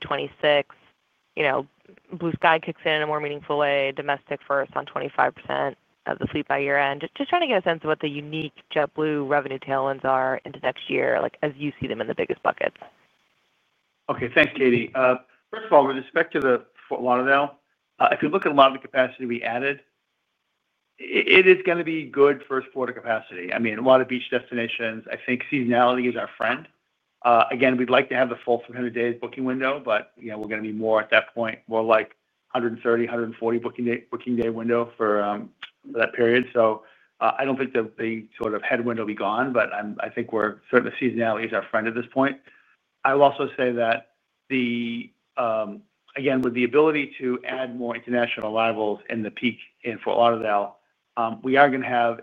2026? Blue Sky kicks in in a more meaningful way, domestic first on 25% of the fleet by year-end. Just trying to get a sense of what the unique JetBlue revenue tailwinds are into next year, like as you see them in the biggest buckets. Okay, thanks, Katie. First of all, with respect to Fort Lauderdale, if you look at a lot of the capacity we added, it is going to be good first quarter capacity. I mean, a lot of beach destinations, I think seasonality is our friend. We'd like to have the full 300 days booking window, but you know, we're going to be more at that point, more like 130, 140 booking day window for that period. I don't think that the sort of headwind will be gone, but I think we're certain the seasonality is our friend at this point. I will also say that with the ability to add more international arrivals in the peak in Fort Lauderdale, we are going to have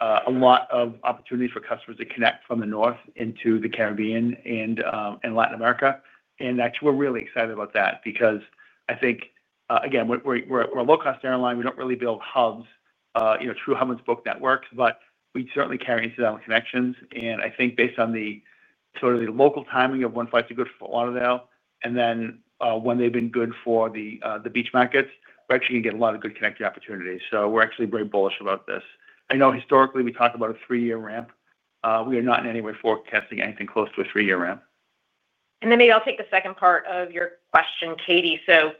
a lot of opportunities for customers to connect from the north into the Caribbean and Latin America. Actually, we're really excited about that because I think we're a low-cost airline. We don't really build hubs, you know, true hub-and-spoke networks, but we certainly carry incidental connections. I think based on the sort of the local timing of when flights are good for Fort Lauderdale and then when they've been good for the beach markets, we're actually going to get a lot of good connected opportunities. We're actually very bullish about this. I know historically we talk about a three-year ramp. We are not in any way forecasting anything close to a three-year ramp. I'll take the second part of your question, Katie. There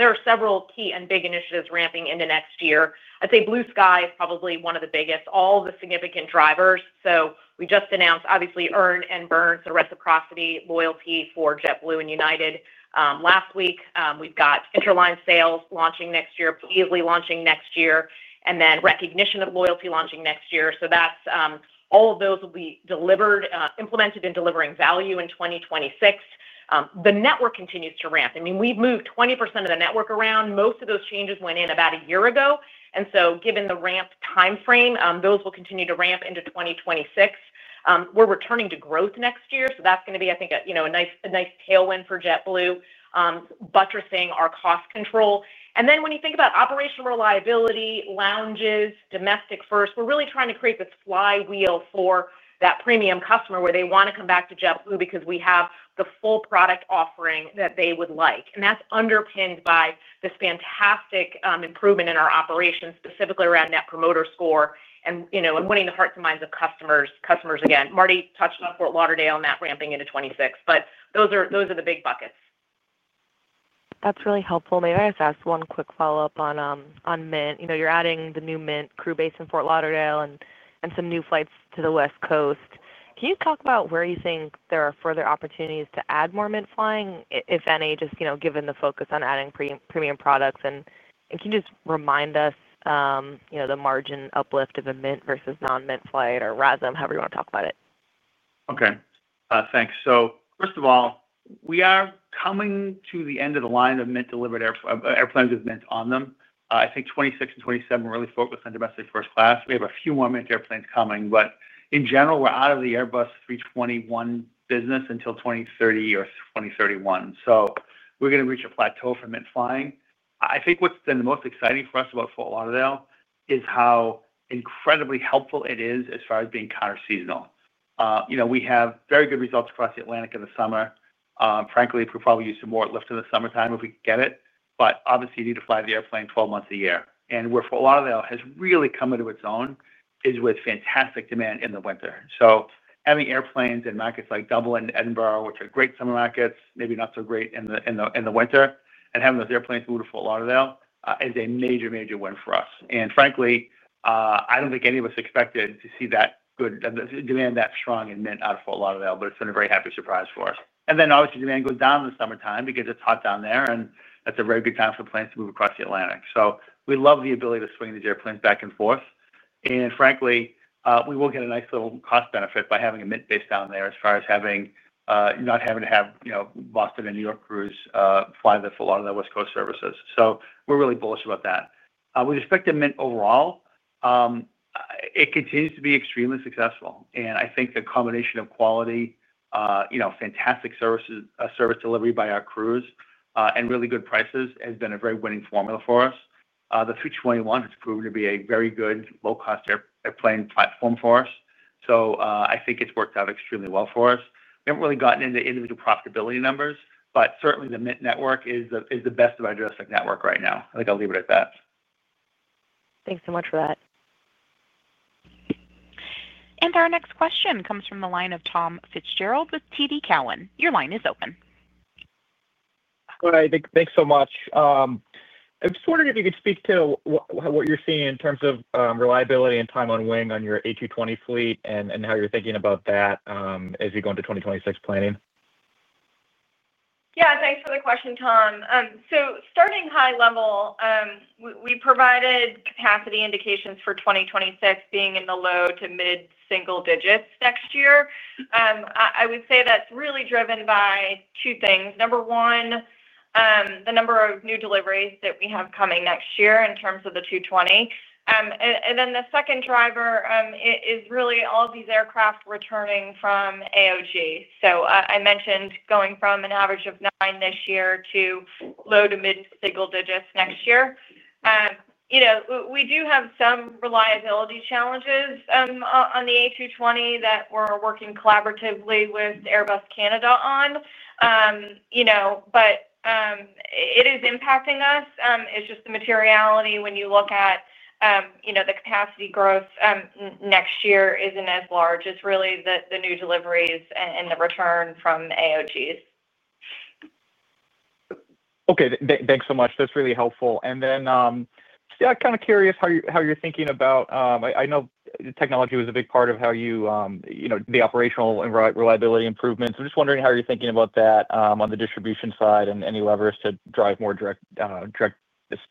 are several key and big initiatives ramping into next year. I'd say Blue Sky is probably one of the biggest, all of the significant drivers. We just announced, obviously, Earn and Burn sort of reciprocity loyalty for JetBlue and United last week. We've got interline sales launching next year, easily launching next year, and then recognition of loyalty launching next year. All of those will be delivered, implemented, and delivering value in 2026. The network continues to ramp. We've moved 20% of the network around. Most of those changes went in about a year ago, and given the ramp timeframe, those will continue to ramp into 2026. We're returning to growth next year. That's going to be, I think, a nice tailwind for JetBlue, buttressing our cost control. When you think about operational reliability, lounges, domestic first, we're really trying to create this flywheel for that premium customer where they want to come back to JetBlue because we have the full product offering that they would like. That's underpinned by this fantastic improvement in our operations, specifically around net promoter score and winning the hearts and minds of customers. Customers again. Marty touched on Fort Lauderdale on that ramping into 2026, but those are the big buckets. That's really helpful. Maybe I just ask one quick follow-up on Mint. You're adding the new Mint crew base in Fort Lauderdale and some new flights to the West Coast. Can you talk about where you think there are further opportunities to add more Mint flying, if any, given the focus on adding premium products? Can you just remind us the margin uplift of a Mint versus non-Mint flight or routing, however you want to talk about it? Okay, thanks. First of all, we are coming to the end of the line of Mint delivered airplanes with Mint on them. I think 2026 and 2027 are really focused on domestic first class. We have a few more Mint airplanes coming, but in general, we're out of the Airbus 321 business until 2030 or 2031. We're going to reach a plateau for Mint flying. I think what's been the most exciting for us about Fort Lauderdale is how incredibly helpful it is as far as being counter-seasonal. We have very good results across the Atlantic in the summer. Frankly, we probably could use some more lift in the summertime if we could get it, but obviously, you need to fly the airplane 12 months a year. Where Fort Lauderdale has really come into its own is with fantastic demand in the winter. Having airplanes in markets like Dublin and Edinburgh, which are great summer markets, maybe not so great in the winter, and having those airplanes move to Fort Lauderdale is a major, major win for us. Frankly, I don't think any of us expected to see that good demand that strong in Mint out of Fort Lauderdale, but it's been a very happy surprise for us. Demand goes down in the summertime because it's hot down there, and that's a very good time for planes to move across the Atlantic. We love the ability to swing these airplanes back and forth. Frankly, we will get a nice little cost benefit by having a Mint base down there as far as not having to have Boston and New York crews fly the Fort Lauderdale West Coast services. We're really bullish about that. With respect to Mint overall, it continues to be extremely successful. I think the combination of quality, fantastic service delivery by our crews, and really good prices has been a very winning formula for us. The 321 has proven to be a very good low-cost airplane platform for us. I think it's worked out extremely well for us. We haven't really gotten into individual profitability numbers, but certainly the Mint network is the best of our domestic network right now. I think I'll leave it at that. Thanks so much for that. Our next question comes from the line of Tom Fitzgerald with TD Cowen. Your line is open. All right, thanks so much. I'm just wondering if you could speak to what you're seeing in terms of reliability and time on wing on your A220 fleet, and how you're thinking about that as you go into 2026 planning. Yeah, thanks for the question, Tom. Starting high level, we provided capacity indications for 2026 being in the low to mid-single digits next year. I would say that's really driven by two things. Number one, the number of new deliveries that we have coming next year in terms of the 220. The second driver is really all of these aircraft returning from AOG. I mentioned going from an average of nine this year to low to mid-single digits next year. We do have some reliability challenges on the A220 that we're working collaboratively with Airbus Canada on, but it is impacting us. It's just the materiality when you look at the capacity growth next year isn't as large. It's really the new deliveries and the return from AOGs. Okay, thanks so much. That's really helpful. I'm kind of curious how you're thinking about, I know technology was a big part of how you, you know, the operational and reliability improvements. I'm just wondering how you're thinking about that on the distribution side and any levers to drive more direct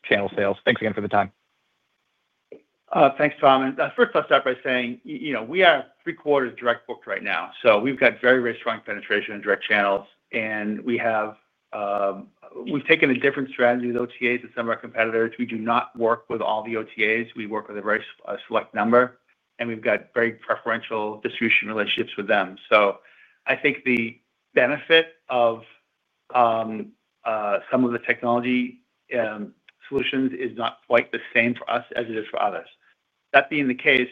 channel sales. Thanks again for the time. Thanks, Tom. First, I'll start by saying, you know, we are three quarters direct booked right now. We've got very, very strong penetration in direct channels. We've taken a different strategy with OTAs than some of our competitors. We do not work with all the OTAs. We work with a very select number, and we've got very preferential distribution relationships with them. I think the benefit of some of the technology solutions is not quite the same for us as it is for others. That being the case,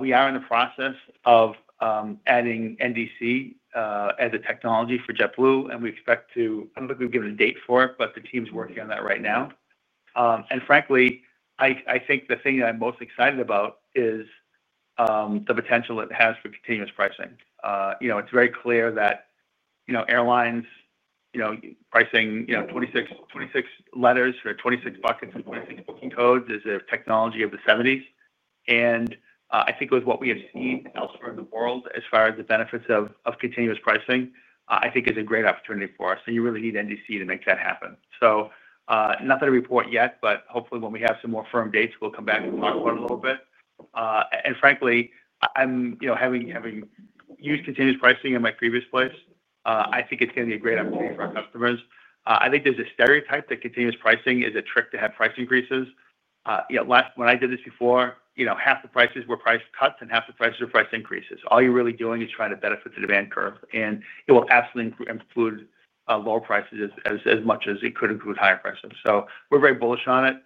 we are in the process of adding NDC as a technology for JetBlue. We expect to, I don't think we've given a date for it, but the team's working on that right now. Frankly, I think the thing that I'm most excited about is the potential it has for continuous pricing. It's very clear that airlines, you know, pricing, 26 letters or 26 buckets or 26 booking codes is a technology of the 1970s. I think with what we have seen elsewhere in the world as far as the benefits of continuous pricing, I think it's a great opportunity for us. You really need NDC to make that happen. Not that a report yet, but hopefully when we have some more firm dates, we'll come back and talk about it a little bit. Frankly, I'm, you know, having used continuous pricing in my previous place, I think it's going to be a great opportunity for our customers. I think there's a stereotype that continuous pricing is a trick to have price increases. When I did this before, half the prices were price cuts and half the prices were price increases. All you're really doing is trying to benefit the demand curve, and it will absolutely include lower prices as much as it could include higher prices. We're very bullish on it.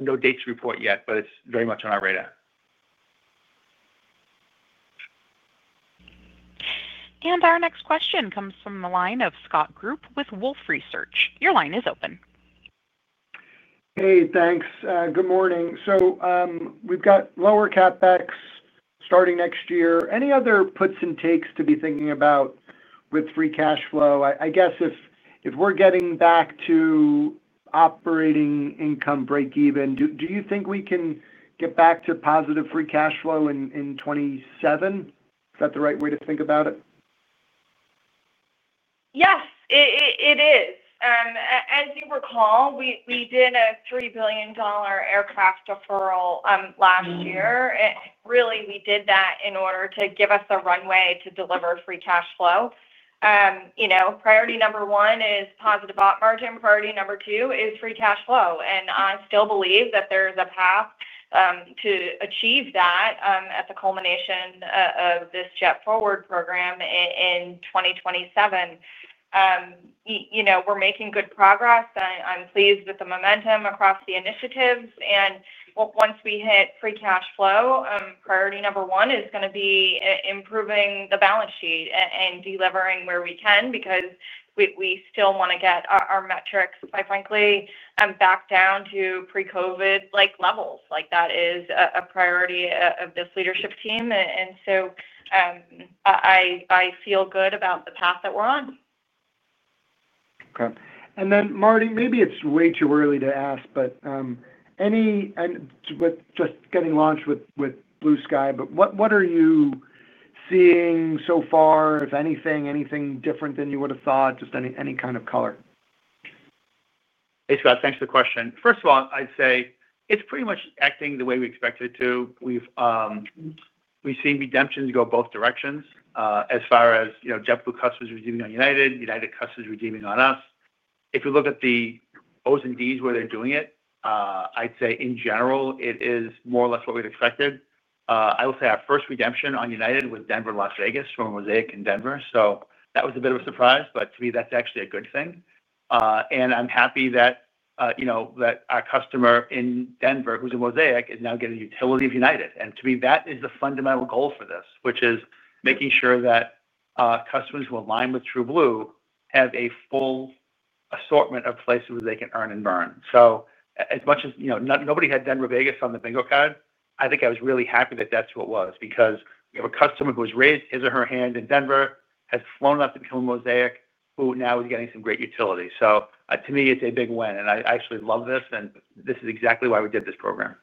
No dates to report yet, but it's very much on our radar. Our next question comes from the line of Scott Group with Wolfe Research. Your line is open. Thank you. Good morning. We've got lower CapEx starting next year. Any other puts and takes to be thinking about with free cash flow? I guess if we're getting back to operating income break even, do you think we can get back to positive free cash flow in 2027? Is that the right way to think about it? Yes, it is. As you recall, we did a $3 billion aircraft deferral last year. We did that in order to give us a runway to deliver free cash flow. Priority number one is positive operating margin. Priority number two is free cash flow. I still believe that there's a path to achieve that at the culmination of this JetForward program in 2027. We're making good progress. I'm pleased with the momentum across the initiatives. Once we hit free cash flow, priority number one is going to be improving the balance sheet and delivering where we can because we still want to get our metrics, quite frankly, back down to pre-COVID-like levels. That is a priority of this leadership team. I feel good about the path that we're on. Okay. Marty, maybe it's way too early to ask, but with just getting launched with Blue Sky, what are you seeing so far, if anything? Anything different than you would have thought, just any kind of color? Hey, Scott, thanks for the question. First of all, I'd say it's pretty much acting the way we expected it to. We've seen redemptions go both directions as far as, you know, JetBlue customers redeeming on United, United customers redeeming on us. If you look at the Os and Ds where they're doing it, I'd say in general, it is more or less what we'd expected. I will say our first redemption on United was Denver-Las Vegas from Mosaic in Denver. That was a bit of a surprise, but to me, that's actually a good thing. I'm happy that, you know, that our customer in Denver, who's in Mosaic, is now getting a utility of United. To me, that is the fundamental goal for this, which is making sure that customers who align with TrueBlue have a full assortment of places where they can earn and burn. As much as, you know, nobody had Denver-Vegas on the bingo card, I think I was really happy that that's what it was because we have a customer who has raised his or her hand in Denver, has flown up to come to Mosaic, who now is getting some great utility. To me, it's a big win. I actually love this, and this is exactly why we did this program.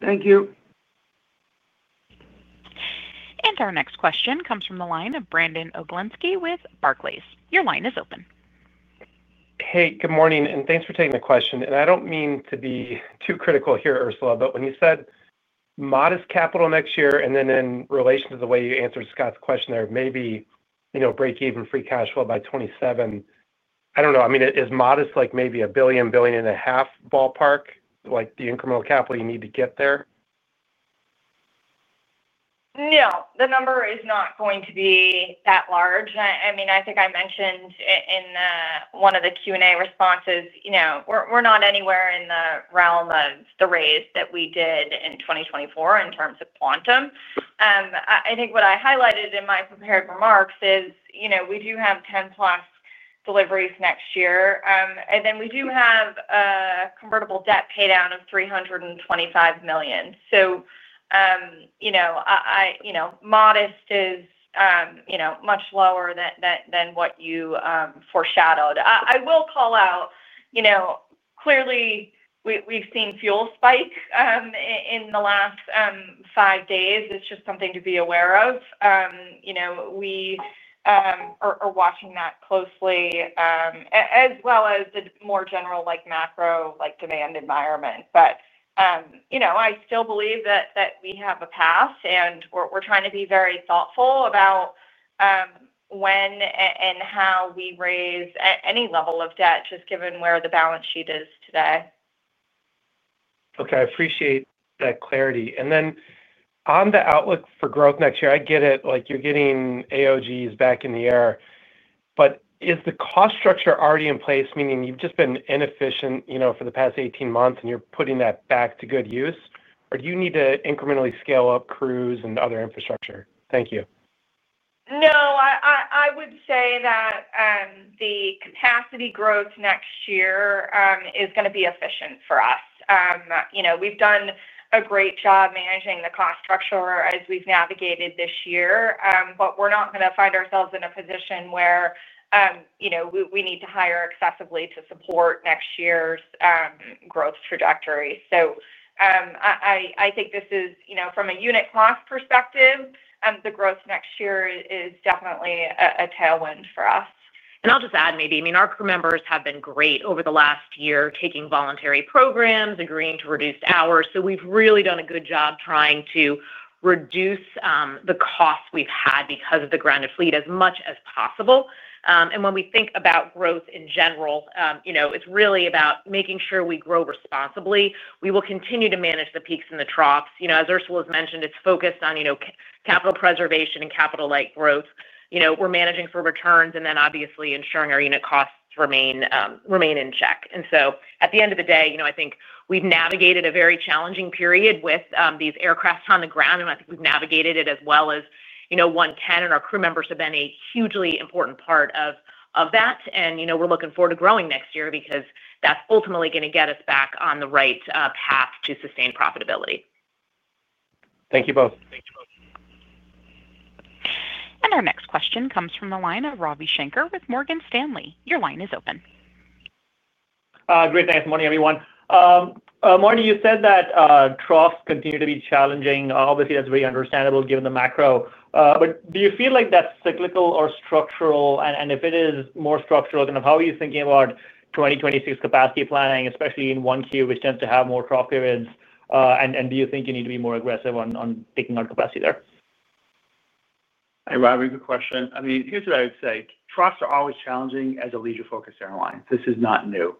Thank you. Our next question comes from the line of Brandon Oglenski with Barclays. Your line is open. Good morning, and thanks for taking the question. I don't mean to be too critical here, Ursula, but when you said modest capital next year, and then in relation to the way you answered Scott's question there, maybe, you know, break even free cash flow by 2027, I don't know. Is modest like maybe $1 billion, $1.5 billion ballpark, like the incremental capital you need to get there? No, the number is not going to be that large. I mean, I think I mentioned in one of the Q&A responses, you know, we're not anywhere in the realm of the raise that we did in 2024 in terms of quantum. I think what I highlighted in my prepared remarks is, you know, we do have 10+ deliveries next year, and we do have a convertible debt paydown of $325 million. Modest is much lower than what you foreshadowed. I will call out, clearly, we've seen fuel spike in the last five days. It's just something to be aware of. We are watching that closely, as well as the more general macro demand environment. I still believe that we have a path, and we're trying to be very thoughtful about when and how we raise at any level of debt, just given where the balance sheet is today. Okay, I appreciate that clarity. On the outlook for growth next year, I get it, like you're getting AOGs back in the air, but is the cost structure already in place, meaning you've just been inefficient for the past 18 months, and you're putting that back to good use? Do you need to incrementally scale up crews and other infrastructure? Thank you. No, I would say that the capacity growth next year is going to be efficient for us. We've done a great job managing the cost structure as we've navigated this year, but we're not going to find ourselves in a position where we need to hire excessively to support next year's growth trajectory. I think this is, from a unit cost perspective, the growth next year is definitely a tailwind for us. I’ll just add, maybe, our crew members have been great over the last year, taking voluntary programs, agreeing to reduced hours. We’ve really done a good job trying to reduce the costs we’ve had because of the grounded fleet as much as possible. When we think about growth in general, it’s really about making sure we grow responsibly. We will continue to manage the peaks and the troughs. As Ursula has mentioned, it’s focused on capital preservation and capital-light growth. We’re managing for returns and then obviously ensuring our unit costs remain in check. At the end of the day, I think we’ve navigated a very challenging period with these aircraft on the ground, and I think we’ve navigated it as well as one can, and our crew members have been a hugely important part of that. We’re looking forward to growing next year because that’s ultimately going to get us back on the right path to sustained profitability. Thank you both. Our next question comes from the line of Ravi Shanker with Morgan Stanley. Your line is open. Great, thanks. Morning, everyone. Marty, you said that troughs continue to be challenging. Obviously, that's very understandable given the macro. Do you feel like that's cyclical or structural? If it is more structural, kind of how are you thinking about 2026 capacity planning, especially in Q1, which tends to have more trough periods? Do you think you need to be more aggressive on picking out capacity there? Hey, Ravi, good question. Here's what I would say. Troughs are always challenging as a leisure-focused airline. This is not new.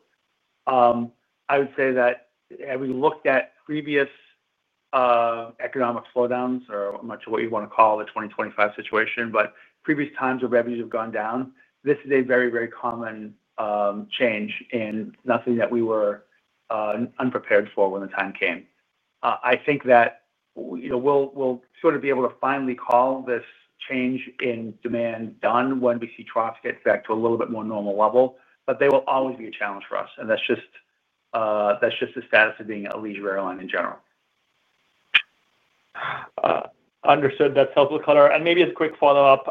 I would say that we looked at previous economic slowdowns, or much of what you want to call the 2025 situation, but previous times where revenues have gone down, this is a very, very common change and nothing that we were unprepared for when the time came. I think that we'll sort of be able to finally call this change in demand done when we see troughs get back to a little bit more normal level, but they will always be a challenge for us. That's just the status of being a leisure airline in general. Understood. That's helpful to color. Maybe as a quick follow-up,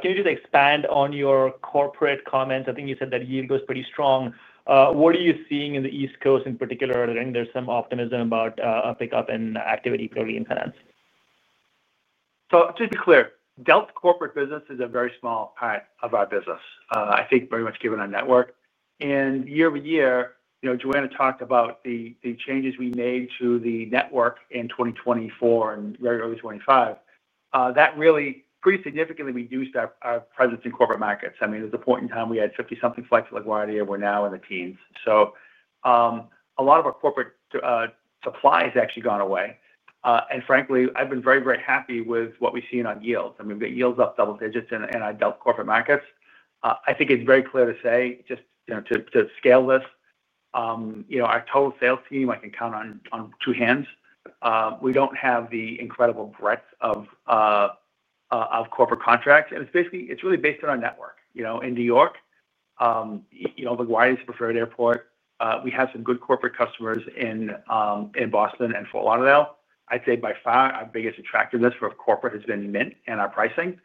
can you just expand on your corporate comments? I think you said that yield goes pretty strong. What are you seeing in the East Coast in particular? I think there's some optimism about a pickup in activity, clearly in finance. To be clear, Delta's corporate business is a very small part of our business, I think very much given our network. Year-over-year, Joanna talked about the changes we made to the network in 2024 and very early 2025. That really pretty significantly reduced our presence in corporate markets. There was a point in time we had 50-something flights to LaGuardia and we're now in the teens. A lot of our corporate supply has actually gone away. Frankly, I've been very, very happy with what we've seen on yields. We've got yields up double digits in our Delta corporate markets. I think it's very clear to say, just to scale this, our total sales team, I can count on two hands. We don't have the incredible breadth of corporate contracts. It's really based on our network. In New York, LaGuardia is the preferred airport. We have some good corporate customers in Boston and Fort Lauderdale. I'd say by far our biggest attractiveness for corporate has been Mint and our pricing.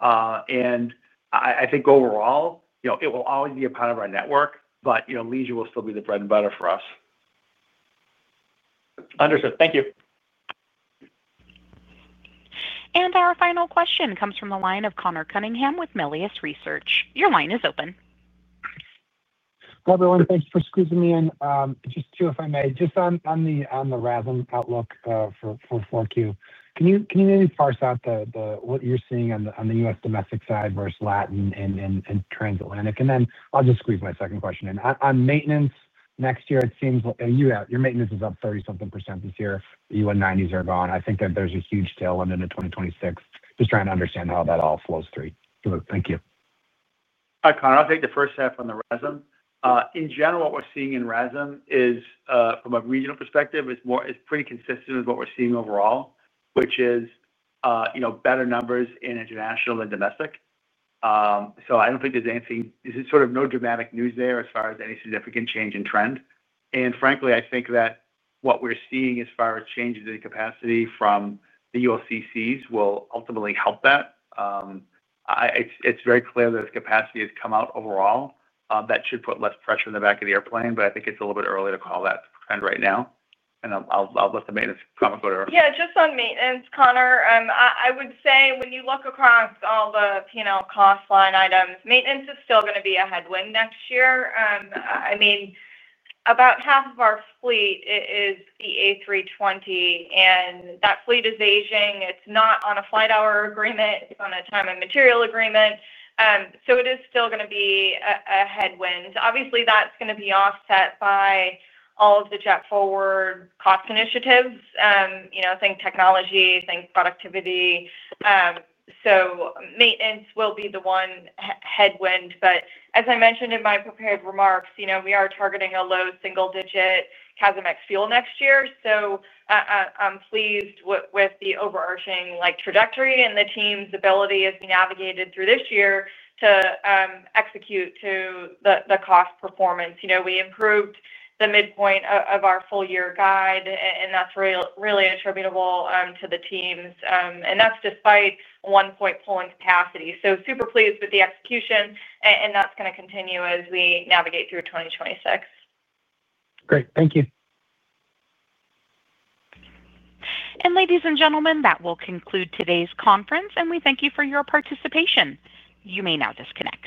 I think overall, it will always be a part of our network, but leisure will still be the bread and butter for us. Understood. Thank you. Our final question comes from the line of Connor Cunningham with Melius Research. Your line is open. Hi, everyone. Thanks for squeezing me in. Just two, if I may. Just on the routing outlook for Q4, can you maybe parse out what you're seeing on the U.S. domestic side versus Latin and Transatlantic? I'll just squeeze my second question in. On maintenance next year, it seems like you have your maintenance is up 30% this year. The E190s are gone. I think that there's a huge tailwind into 2026. Just trying to understand how that all flows through. Thank you. Hi, Connor. I'll take the first half on the routing. In general, what we're seeing in routing is, from a regional perspective, it's pretty consistent with what we're seeing overall, which is better numbers in international than domestic. I don't think there's anything, there's sort of no dramatic news there as far as any significant change in trend. Frankly, I think that what we're seeing as far as changes in capacity from the ULCCs will ultimately help that. It's very clear that its capacity has come out overall. That should put less pressure on the back of the airplane, but I think it's a little bit early to call that to trend right now. I'll let the maintenance comment go to her. Yeah, just on maintenance, Connor, I would say when you look across all the P&L cost line items, maintenance is still going to be a headwind next year. I mean, about half of our fleet is the A320, and that fleet is aging. It's not on a flight hour agreement. It's on a time and material agreement. It is still going to be a headwind. Obviously, that's going to be offset by all of the JetForward cost initiatives, you know, think technology, think productivity. Maintenance will be the one headwind. As I mentioned in my prepared remarks, we are targeting a low single-digit CASM ex-fuel next year. I'm pleased with the overarching trajectory and the team's ability as we navigated through this year to execute to the cost performance. We improved the midpoint of our full-year guide, and that's really attributable to the teams. That's despite a one-point pull in capacity. Super pleased with the execution, and that's going to continue as we navigate through 2026. Great, thank you. Ladies and gentlemen, that will conclude today's conference. Thank you for your participation. You may now disconnect.